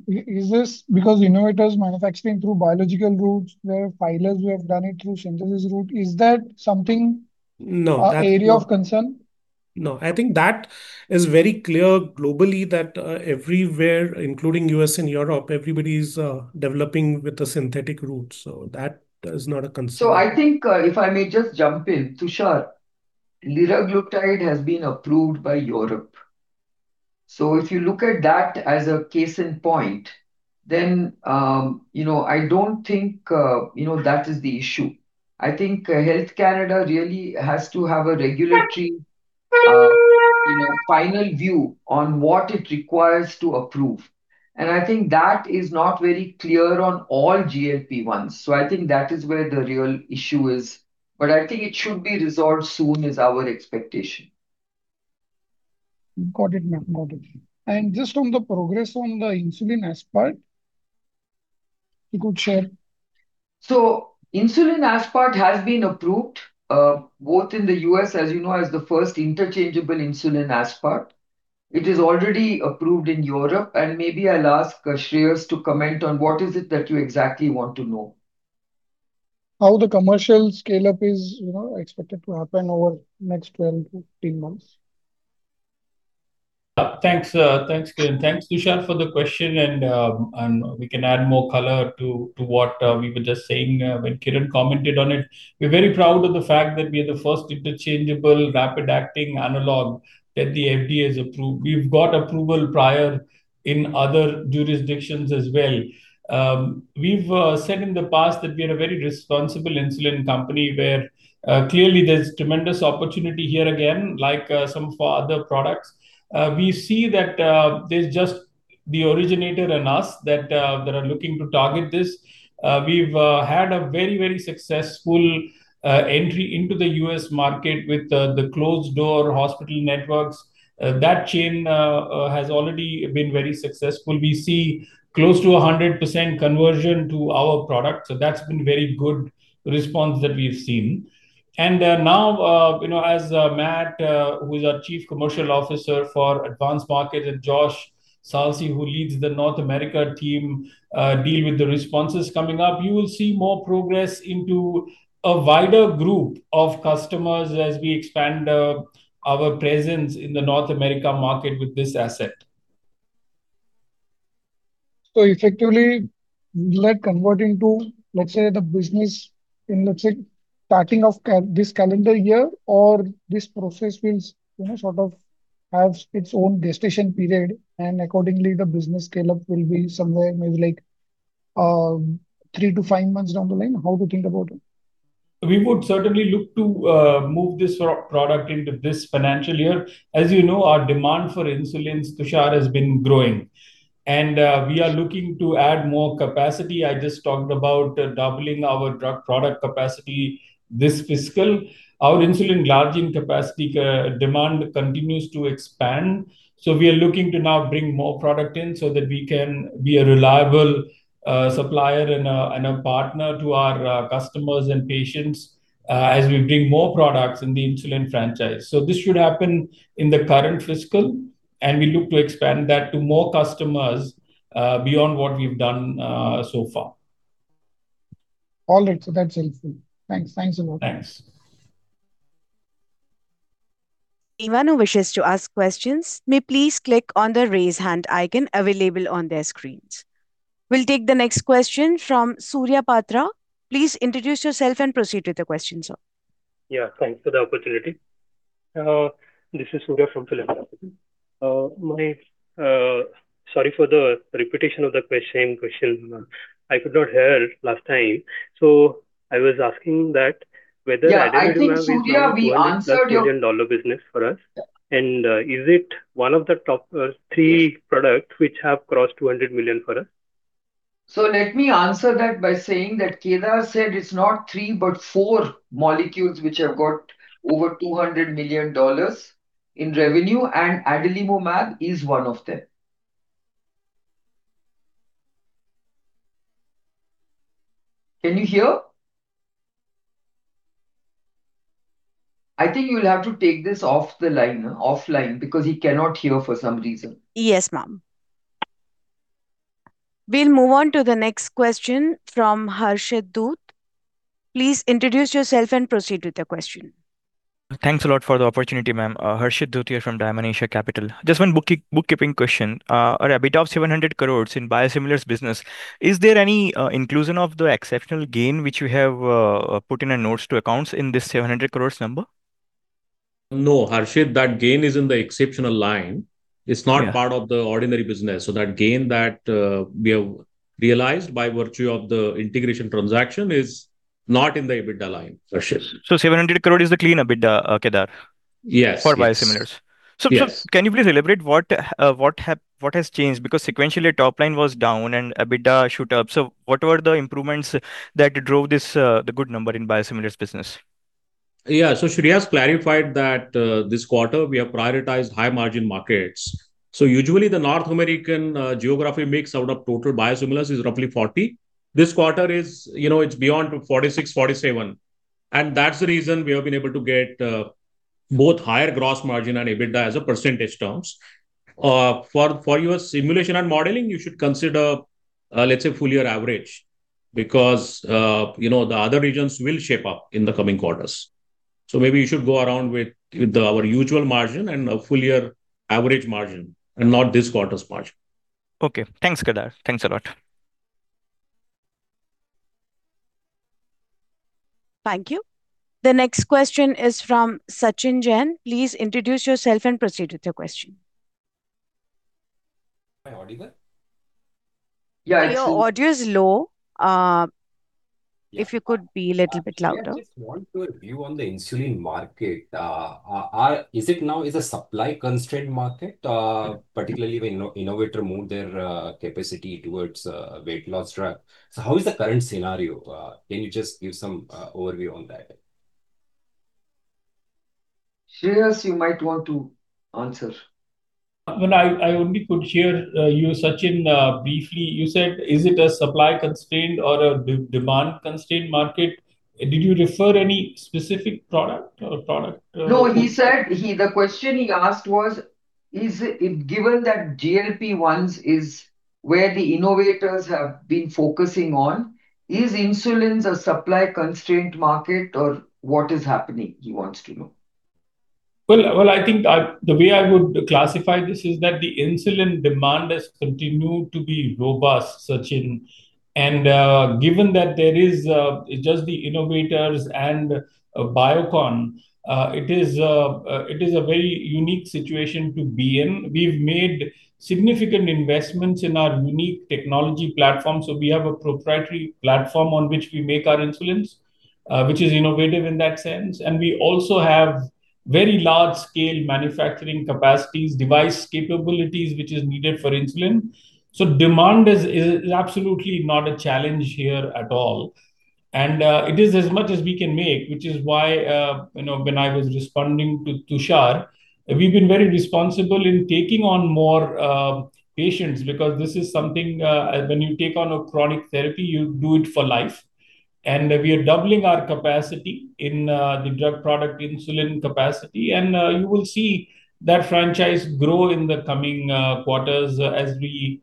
is this because innovators manufacturing through biological routes, where filers we have done it through synthesis route, is that something- No, that- area of concern? No. I think that is very clear globally, that everywhere, including U.S. and Europe, everybody's developing with the synthetic route, so that is not a concern. So I think, if I may just jump in, Tushar, liraglutide has been approved by Europe. So if you look at that as a case in point, then, you know, I don't think, you know, that is the issue. I think, Health Canada really has to have a regulatory, you know, final view on what it requires to approve, and I think that is not very clear on all GLP-1s. So I think that is where the real issue is, but I think it should be resolved soon, is our expectation. Got it, ma'am. Got it. And just on the progress on the Insulin Aspart, you could share? So Insulin Aspart has been approved, both in the U.S., as you know, as the first interchangeable Insulin Aspart. It is already approved in Europe, and maybe I'll ask, Shreehas to comment on what is it that you exactly want to know. How the commercial scale-up is, you know, expected to happen over the next 12-15 months. Thanks, Kiran. Thanks, Tushar, for the question, and we can add more color to what we were just saying when Kiran commented on it. We're very proud of the fact that we are the first interchangeable, rapid-acting analog that the FDA has approved. We've got approval prior in other jurisdictions as well. We've said in the past that we are a very responsible insulin company, where clearly there's tremendous opportunity here again, like some of our other products. We see that there's just the originator and us that are looking to target this. We've had a very, very successful entry into the U.S. market with the closed door hospital networks. That chain has already been very successful. We see close to 100% conversion to our product, so that's been very good response that we've seen. Now, you know, as Matt, who is our Chief Commercial Officer for Advanced Markets, and Josh Salci, who leads the North America team, deal with the responses coming up, you will see more progress into a wider group of customers as we expand our presence in the North America market with this asset. So effectively, will that convert into, let's say, the business in, let's say, starting of this calendar year, or this process will, you know, sort of have its own gestation period, and accordingly, the business scale-up will be somewhere maybe like three to five months down the line? How to think about it? We would certainly look to move this product into this financial year. As you know, our demand for insulins, Tushar, has been growing, and we are looking to add more capacity. I just talked about doubling our drug product capacity this fiscal. Our insulin glargine capacity demand continues to expand, so we are looking to now bring more product in so that we can be a reliable supplier and a partner to our customers and patients as we bring more products in the insulin franchise. So this should happen in the current fiscal, and we look to expand that to more customers beyond what we've done so far. All right, so that's helpful. Thanks. Thanks a lot. Thanks. Anyone who wishes to ask questions may please click on the Raise Hand icon available on their screens. We'll take the next question from Surya Patra. Please introduce yourself and proceed with the question, sir. Yeah, thanks for the opportunity. This is Surya from Philip Capital. Sorry for the repetition of the same question. I could not hear last time. So I was asking that whether- Yeah, I think, Surya, we answered your-... $ million business for us, and is it one of the top three products which have crossed $200 million for us?... So let me answer that by saying that Kedar said it's not three, but four molecules which have got over $200 million in revenue, and adalimumab is one of them. Can you hear? I think you'll have to take this off the line, offline, because he cannot hear for some reason. Yes, ma'am. We'll move on to the next question from Harshit Dhoot. Please introduce yourself and proceed with your question. Thanks a lot for the opportunity, ma'am. [Harshad Dutt] here from Dymon Asia Capital. Just one bookkeeping question. An EBITDA of 700 crore in biosimilars business, is there any inclusion of the exceptional gain which you have put in a notes to accounts in this 700 crore number? No, Harshit, that gain is in the exceptional line. Yeah. It's not part of the ordinary business, so that gain that we have realized by virtue of the integration transaction is not in the EBITDA line, [Harshad]. 700 crore is the clean EBITDA, Kedar? Yes. Yes. For biosimilars. Yes. So just, can you please elaborate what has changed? Because sequentially top line was down and EBITDA shoot up. So what were the improvements that drove this, the good number in biosimilars business? Yeah. So Shreehas clarified that, this quarter we have prioritized high-margin markets. So usually the North American, geography mix out of total biosimilars is roughly 40. This quarter is, you know, it's beyond 46, 47, and that's the reason we have been able to get, both higher gross margin and EBITDA as a percentage terms. For, for your simulation and modeling, you should consider, let's say, full year average, because, you know, the other regions will shape up in the coming quarters. So maybe you should go around with, with, our usual margin and a full year average margin and not this quarter's margin. Okay. Thanks, Kedar. Thanks a lot. Thank you. The next question is from Sachin Jain. Please introduce yourself and proceed with your question. My audio good? Yeah, it's- Your audio is low. If you could be a little bit louder. I just want your view on the insulin market. Is it now a supply-constrained market, particularly when innovator moved their capacity towards a weight loss drug? So how is the current scenario? Can you just give some overview on that? Shreehas, you might want to answer. Well, I, I only could hear you, Sachin, briefly. You said, is it a supply-constrained or a demand-constrained market? Did you refer any specific product or product...? No, he said he. The question he asked was, is it given that GLP-1s is where the innovators have been focusing on, is insulin a supply-constrained market or what is happening? He wants to know. Well, well, I think I... The way I would classify this is that the insulin demand has continued to be robust, Sachin. And, given that there is just the innovators and Biocon, it is a very unique situation to be in. We've made significant investments in our unique technology platform, so we have a proprietary platform on which we make our insulins, which is innovative in that sense. And we also have very large-scale manufacturing capacities, device capabilities, which is needed for insulin. So demand is absolutely not a challenge here at all. It is as much as we can make, which is why, you know, when I was responding to Tushar, we've been very responsible in taking on more patients, because this is something when you take on a chronic therapy, you do it for life. We are doubling our capacity in the drug product insulin capacity, and you will see that franchise grow in the coming quarters as we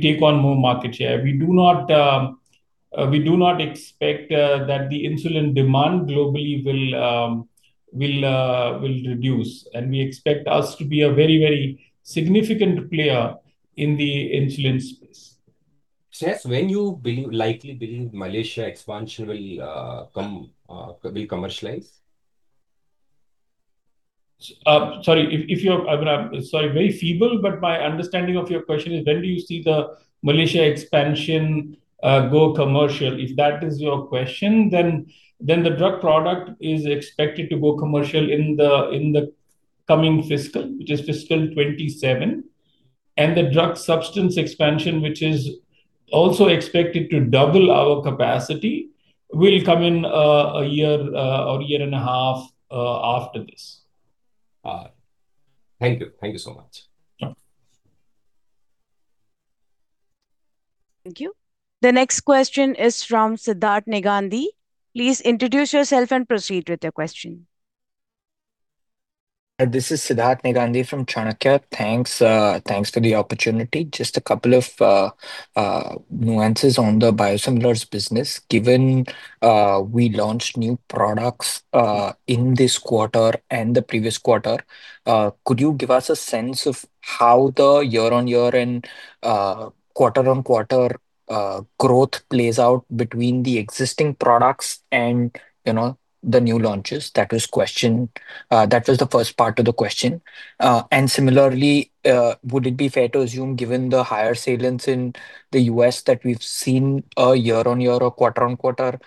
take on more market share. We do not expect that the insulin demand globally will reduce, and we expect us to be a very, very significant player in the insulin space. Shreehas, when you believe likely believe Malaysia expansion will come will commercialize? Sorry, if you're... I mean, I'm sorry, very feeble, but my understanding of your question is when do you see the Malaysia expansion go commercial? If that is your question, then the drug product is expected to go commercial in the coming fiscal, which is fiscal 2027. And the drug substance expansion, which is also expected to double our capacity, will come in a year or a year and a half after this. Thank you. Thank you so much. Sure. Thank you. The next question is from Sidharth Negandhi. Please introduce yourself and proceed with your question. This is Sidharth Negandhi from Chanakya. Thanks, thanks for the opportunity. Just a couple of nuances on the biosimilars business. Given we launched new products in this quarter and the previous quarter, could you give us a sense of how the year-on-year and quarter-on-quarter growth plays out between the existing products and, you know, the new launches? That is question. That was the first part of the question. And similarly, would it be fair to assume, given the higher salience in the U.S., that we've seen a year-on-year or quarter-on-quarter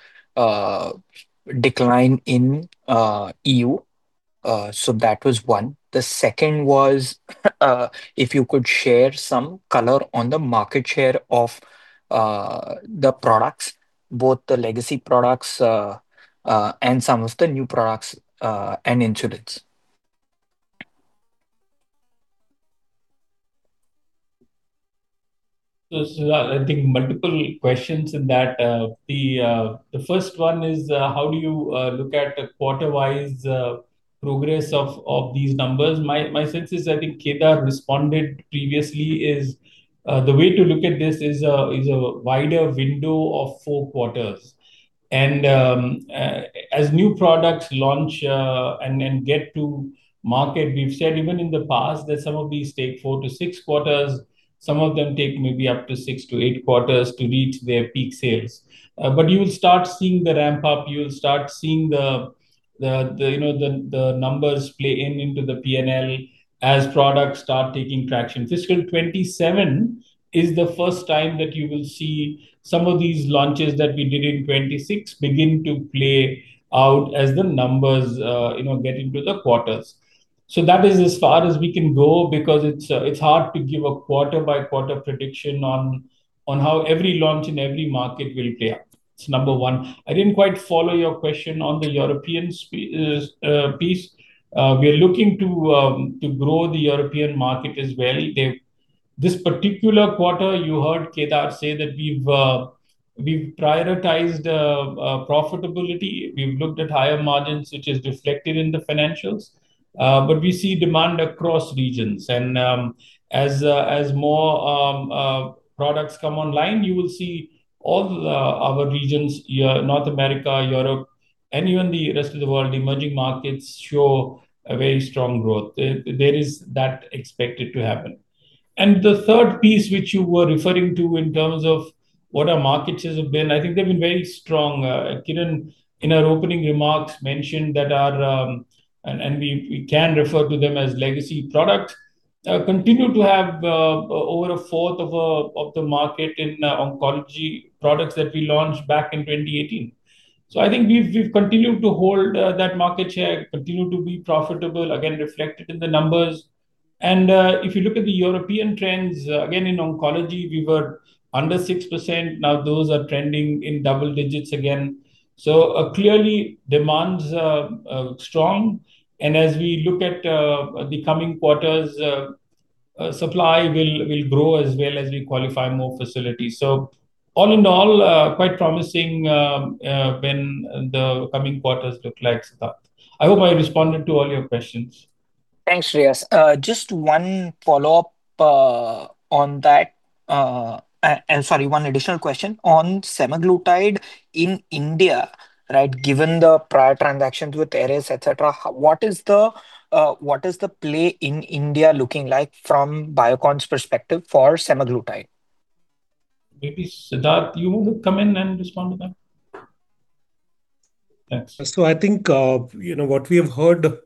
decline in E.U.? So that was one. The second was, if you could share some color on the market share of the products, both the legacy products and some of the new products, and insurance. So, Siddharth, I think multiple questions in that. The first one is, how do you look at the quarter-wise progress of these numbers? My sense is, I think Kedar responded previously, the way to look at this is a wider window of four quarters. And, as new products launch and get to market, we've said even in the past that some of these take four to six quarters, some of them take maybe up to six to eight quarters to reach their peak sales. But you will start seeing the ramp-up, you'll start seeing the, you know, the numbers play into the P&L as products start taking traction. Fiscal 2027 is the first time that you will see some of these launches that we did in 2026 begin to play out as the numbers, you know, get into the quarters. So that is as far as we can go, because it's hard to give a quarter-by-quarter prediction on how every launch in every market will play out. It's number one. I didn't quite follow your question on the European piece. We are looking to grow the European market as well. This particular quarter, you heard Kedar say that we've prioritized profitability. We've looked at higher margins, which is reflected in the financials. But we see demand across regions, and as more products come online, you will see all our regions, North America, Europe, and even the rest of the world, emerging markets show a very strong growth. There is that expected to happen. And the third piece, which you were referring to in terms of what our market shares have been, I think they've been very strong. Kiran, in our opening remarks, mentioned that our and we can refer to them as legacy products continue to have over a fourth of the market in oncology products that we launched back in 2018. So I think we've continued to hold that market share, continued to be profitable, again, reflected in the numbers. If you look at the European trends, again, in oncology, we were under 6%, now those are trending in double digits again. So, clearly, demand's strong, and as we look at the coming quarters, supply will grow as well as we qualify more facilities. So all in all, quite promising, when the coming quarters look like, Siddharth. I hope I responded to all your questions. Thanks, Shreehas. Just one follow-up, sorry, one additional question. On semaglutide in India, right, given the prior transactions with Eris, et cetera, what is the play in India looking like from Biocon's perspective for semaglutide? Maybe, Siddharth, you come in and respond to that. Thanks. So I think, you know, what we have heard,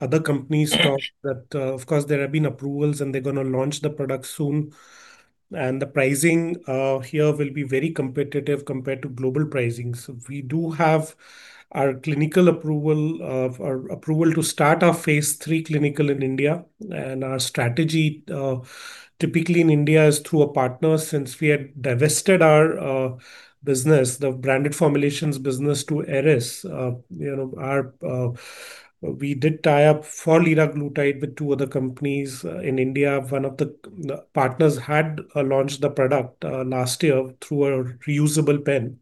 other companies talk, that, of course, there have been approvals, and they're gonna launch the product soon. And the pricing, here will be very competitive compared to global pricing. So we do have our clinical approval, our approval to start our phase III clinical in India. And our strategy, typically in India, is through a partner, since we had divested our, business, the branded formulations business, to Eris. You know, our, we did tie up for liraglutide with two other companies, in India. One of the, the partners had, launched the product, last year through a reusable pen.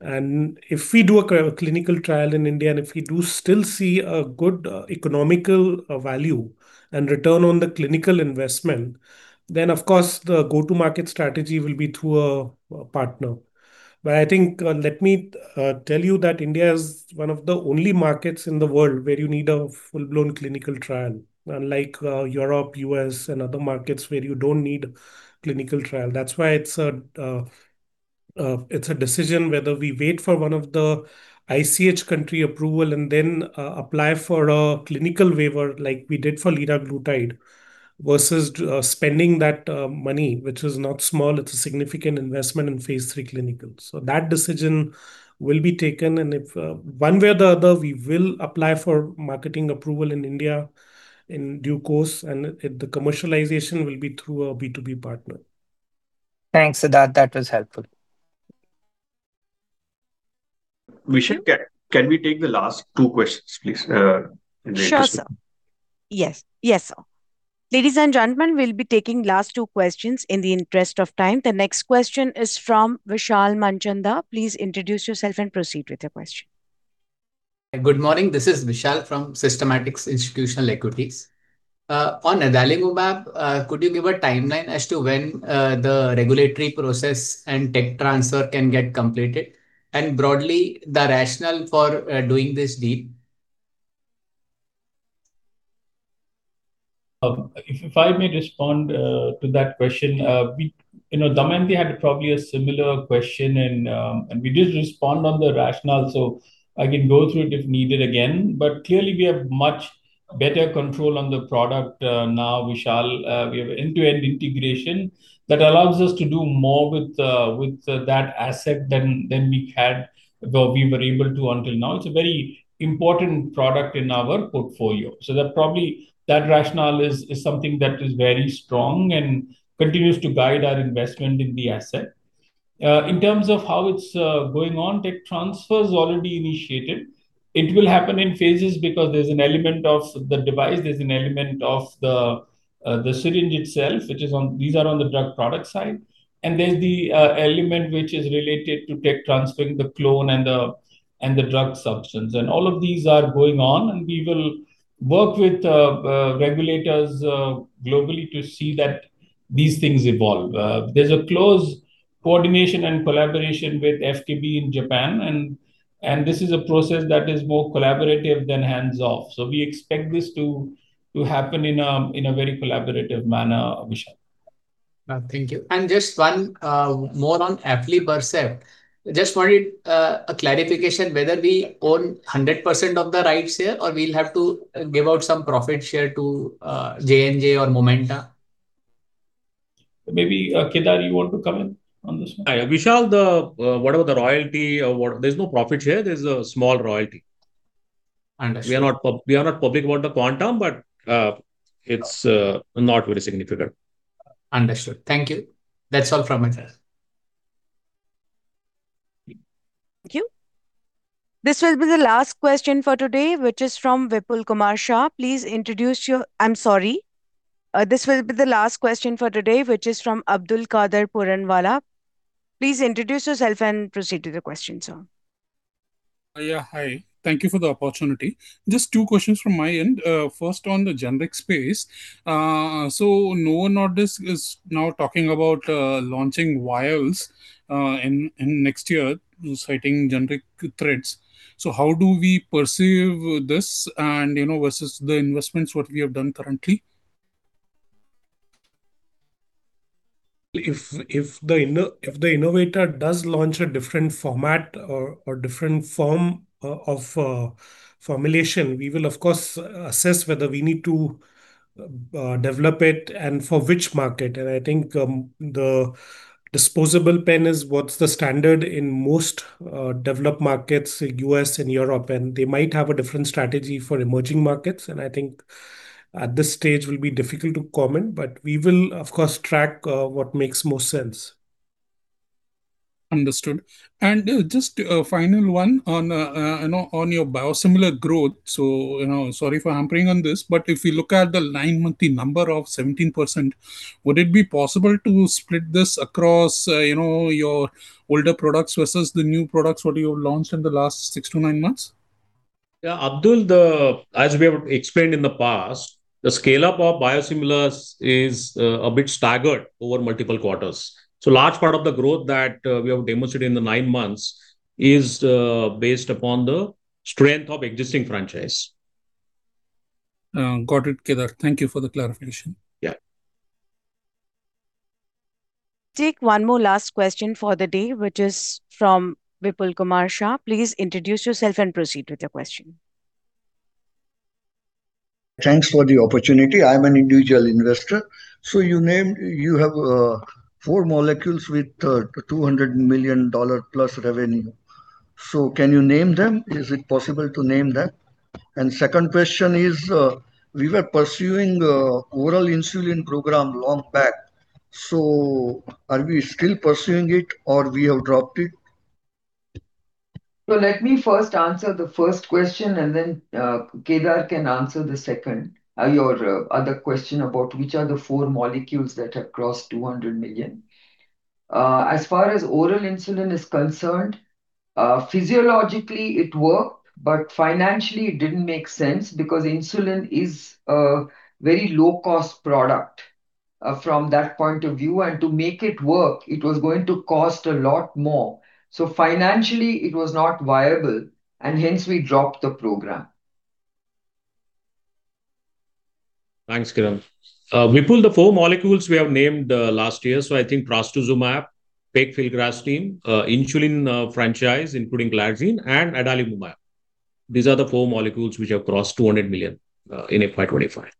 And if we do a clinical trial in India, and if we do still see a good, economical, value and return on the clinical investment, then of course, the go-to-market strategy will be through a partner. But I think, let me tell you that India is one of the only markets in the world where you need a full-blown clinical trial, unlike Europe, U.S., and other markets where you don't need clinical trial. That's why it's a decision whether we wait for one of the ICH country approval and then apply for a clinical waiver like we did for liraglutide, versus spending that money, which is not small, it's a significant investment in phase three clinical. So that decision will be taken, and if... One way or the other, we will apply for marketing approval in India in due course, and the commercialization will be through a B2B partner. Thanks, Siddharth, that was helpful. Vishal, can we take the last two questions, please? In the interest of- Sure, sir. Yes. Yes, sir. Ladies and gentlemen, we'll be taking last two questions in the interest of time. The next question is from Vishal Manchanda. Please introduce yourself and proceed with your question. Good morning, this is Vishal from Systematix Institutional Equities. On adalimumab, could you give a timeline as to when the regulatory process and tech transfer can get completed? And broadly, the rationale for doing this deal. If I may respond to that question, we... You know, Damayanti had probably a similar question, and we did respond on the rationale, so I can go through it if needed again. But clearly, we have much better control on the product now, Vishal. We have end-to-end integration that allows us to do more with that asset than we had, or we were able to until now. It's a very important product in our portfolio. So that probably that rationale is something that is very strong and continues to guide our investment in the asset. In terms of how it's going on, tech transfer's already initiated. It will happen in phases because there's an element of the device, there's an element of the syringe itself, which is on... These are on the drug product side. There's the element which is related to tech transferring the clone and the drug substance. All of these are going on, and we will work with regulators globally to see that these things evolve. There's a close coordination and collaboration with FKB in Japan, and this is a process that is more collaborative than hands-off. So we expect this to happen in a very collaborative manner, Vishal. Thank you. Just one more on aflibercept. Just wanted a clarification whether we own 100% of the rights here, or we'll have to give out some profit share to J&J or Momenta? Maybe, Kedar, you want to come in on this one? Vishal, the, whatever the royalty or what... There's no profit share, there's a small royalty. Understood. We are not public about the quantum, but it's not very significant. Understood. Thank you. That's all from my side. Thank you. This will be the last question for today, which is from [Vipul Kumar Shah]. I'm sorry, this will be the last question for today, which is from Abdulkader Puranwala. Please introduce yourself and proceed with the question, sir. Yeah, hi. Thank you for the opportunity. Just two questions from my end. First, on the generic space. So Novo Nordisk is now talking about launching vials in next year, citing generic threats. So how do we perceive this and, you know, versus the investments what we have done currently? If the innovator does launch a different format or different form of formulation, we will, of course, assess whether we need to develop it and for which market. And I think the disposable pen is what's the standard in most developed markets, like U.S. and Europe, and they might have a different strategy for emerging markets. And I think at this stage, it will be difficult to comment, but we will, of course, track what makes more sense. Understood. And, just a final one on, you know, on your biosimilar growth. So, you know, sorry for harping on this, but if you look at the nine-month, the number of 17%, would it be possible to split this across, you know, your older products versus the new products what you have launched in the last six to nine months? Yeah, Abdul. As we have explained in the past, the scale-up of biosimilars is a bit staggered over multiple quarters. So a large part of the growth that we have demonstrated in the nine months is based upon the strength of existing franchise. Got it, Kedar. Thank you for the clarification. Yeah. Take one more last question for the day, which is from Vipulkumar Shah. Please introduce yourself and proceed with your question. Thanks for the opportunity. I'm an individual investor. So you named... You have four molecules with $200 million+ revenue. So can you name them? Is it possible to name them? And second question is, we were pursuing oral insulin program long back, so are we still pursuing it or we have dropped it? So let me first answer the first question, and then, Kedar can answer the second, your, other question about which are the four molecules that have crossed 200 million. As far as oral insulin is concerned, physiologically it worked, but financially it didn't make sense, because insulin is a very low-cost product, from that point of view. And to make it work, it was going to cost a lot more. So financially, it was not viable, and hence we dropped the program. Thanks, Kiran. [Vipul], the four molecules we have named last year, so I think trastuzumab, pegfilgrastim, insulin franchise, including glargine, and adalimumab. These are the four molecules which have crossed 200 million in FY 2025.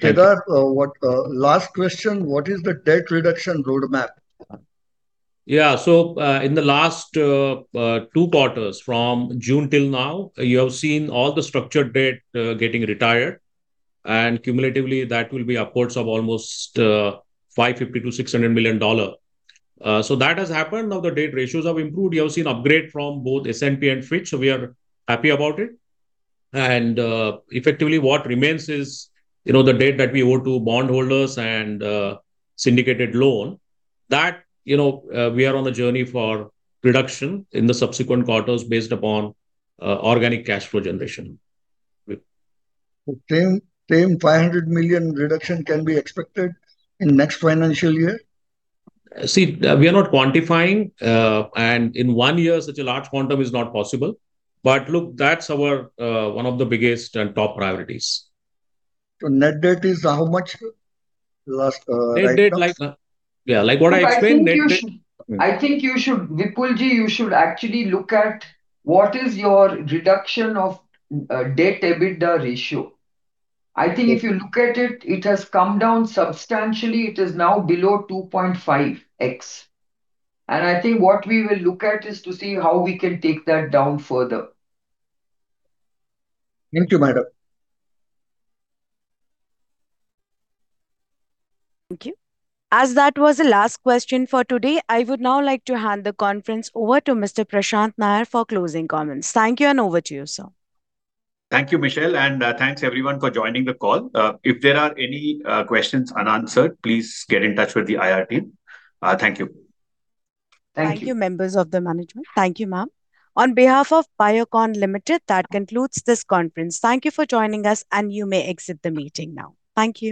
Kedar, last question, what is the debt reduction roadmap? Yeah. So, in the last two quarters, from June till now, you have seen all the structured debt getting retired, and cumulatively, that will be upwards of almost $550 million-$600 million. So that has happened. Now, the debt ratios have improved. You have seen upgrade from both S&P and Fitch, so we are happy about it. And, effectively, what remains is, you know, the debt that we owe to bondholders and syndicated loan. That, you know, we are on a journey for reduction in the subsequent quarters based upon organic cash flow generation. Same, same 500 million reduction can be expected in next financial year? See, we are not quantifying, and in one year, such a large quantum is not possible. But look, that's our one of the biggest and top priorities. Net debt is how much last quarter? Net debt, like... Yeah, like what I explained, net debt- I think you should, [Vipul ji], you should actually look at what is your reduction of debt EBITDA ratio. I think if you look at it, it has come down substantially. It is now below 2.5x. I think what we will look at is to see how we can take that down further. Thank you, madam. Thank you. As that was the last question for today, I would now like to hand the conference over to Mr. Prashant Nair for closing comments. Thank you, and over to you, sir. Thank you, Michelle, and thanks, everyone, for joining the call. If there are any questions unanswered, please get in touch with the IR team. Thank you. Thank you. Thank you, members of the management. Thank you, ma'am. On behalf of Biocon Limited, that concludes this conference. Thank you for joining us, and you may exit the meeting now. Thank you.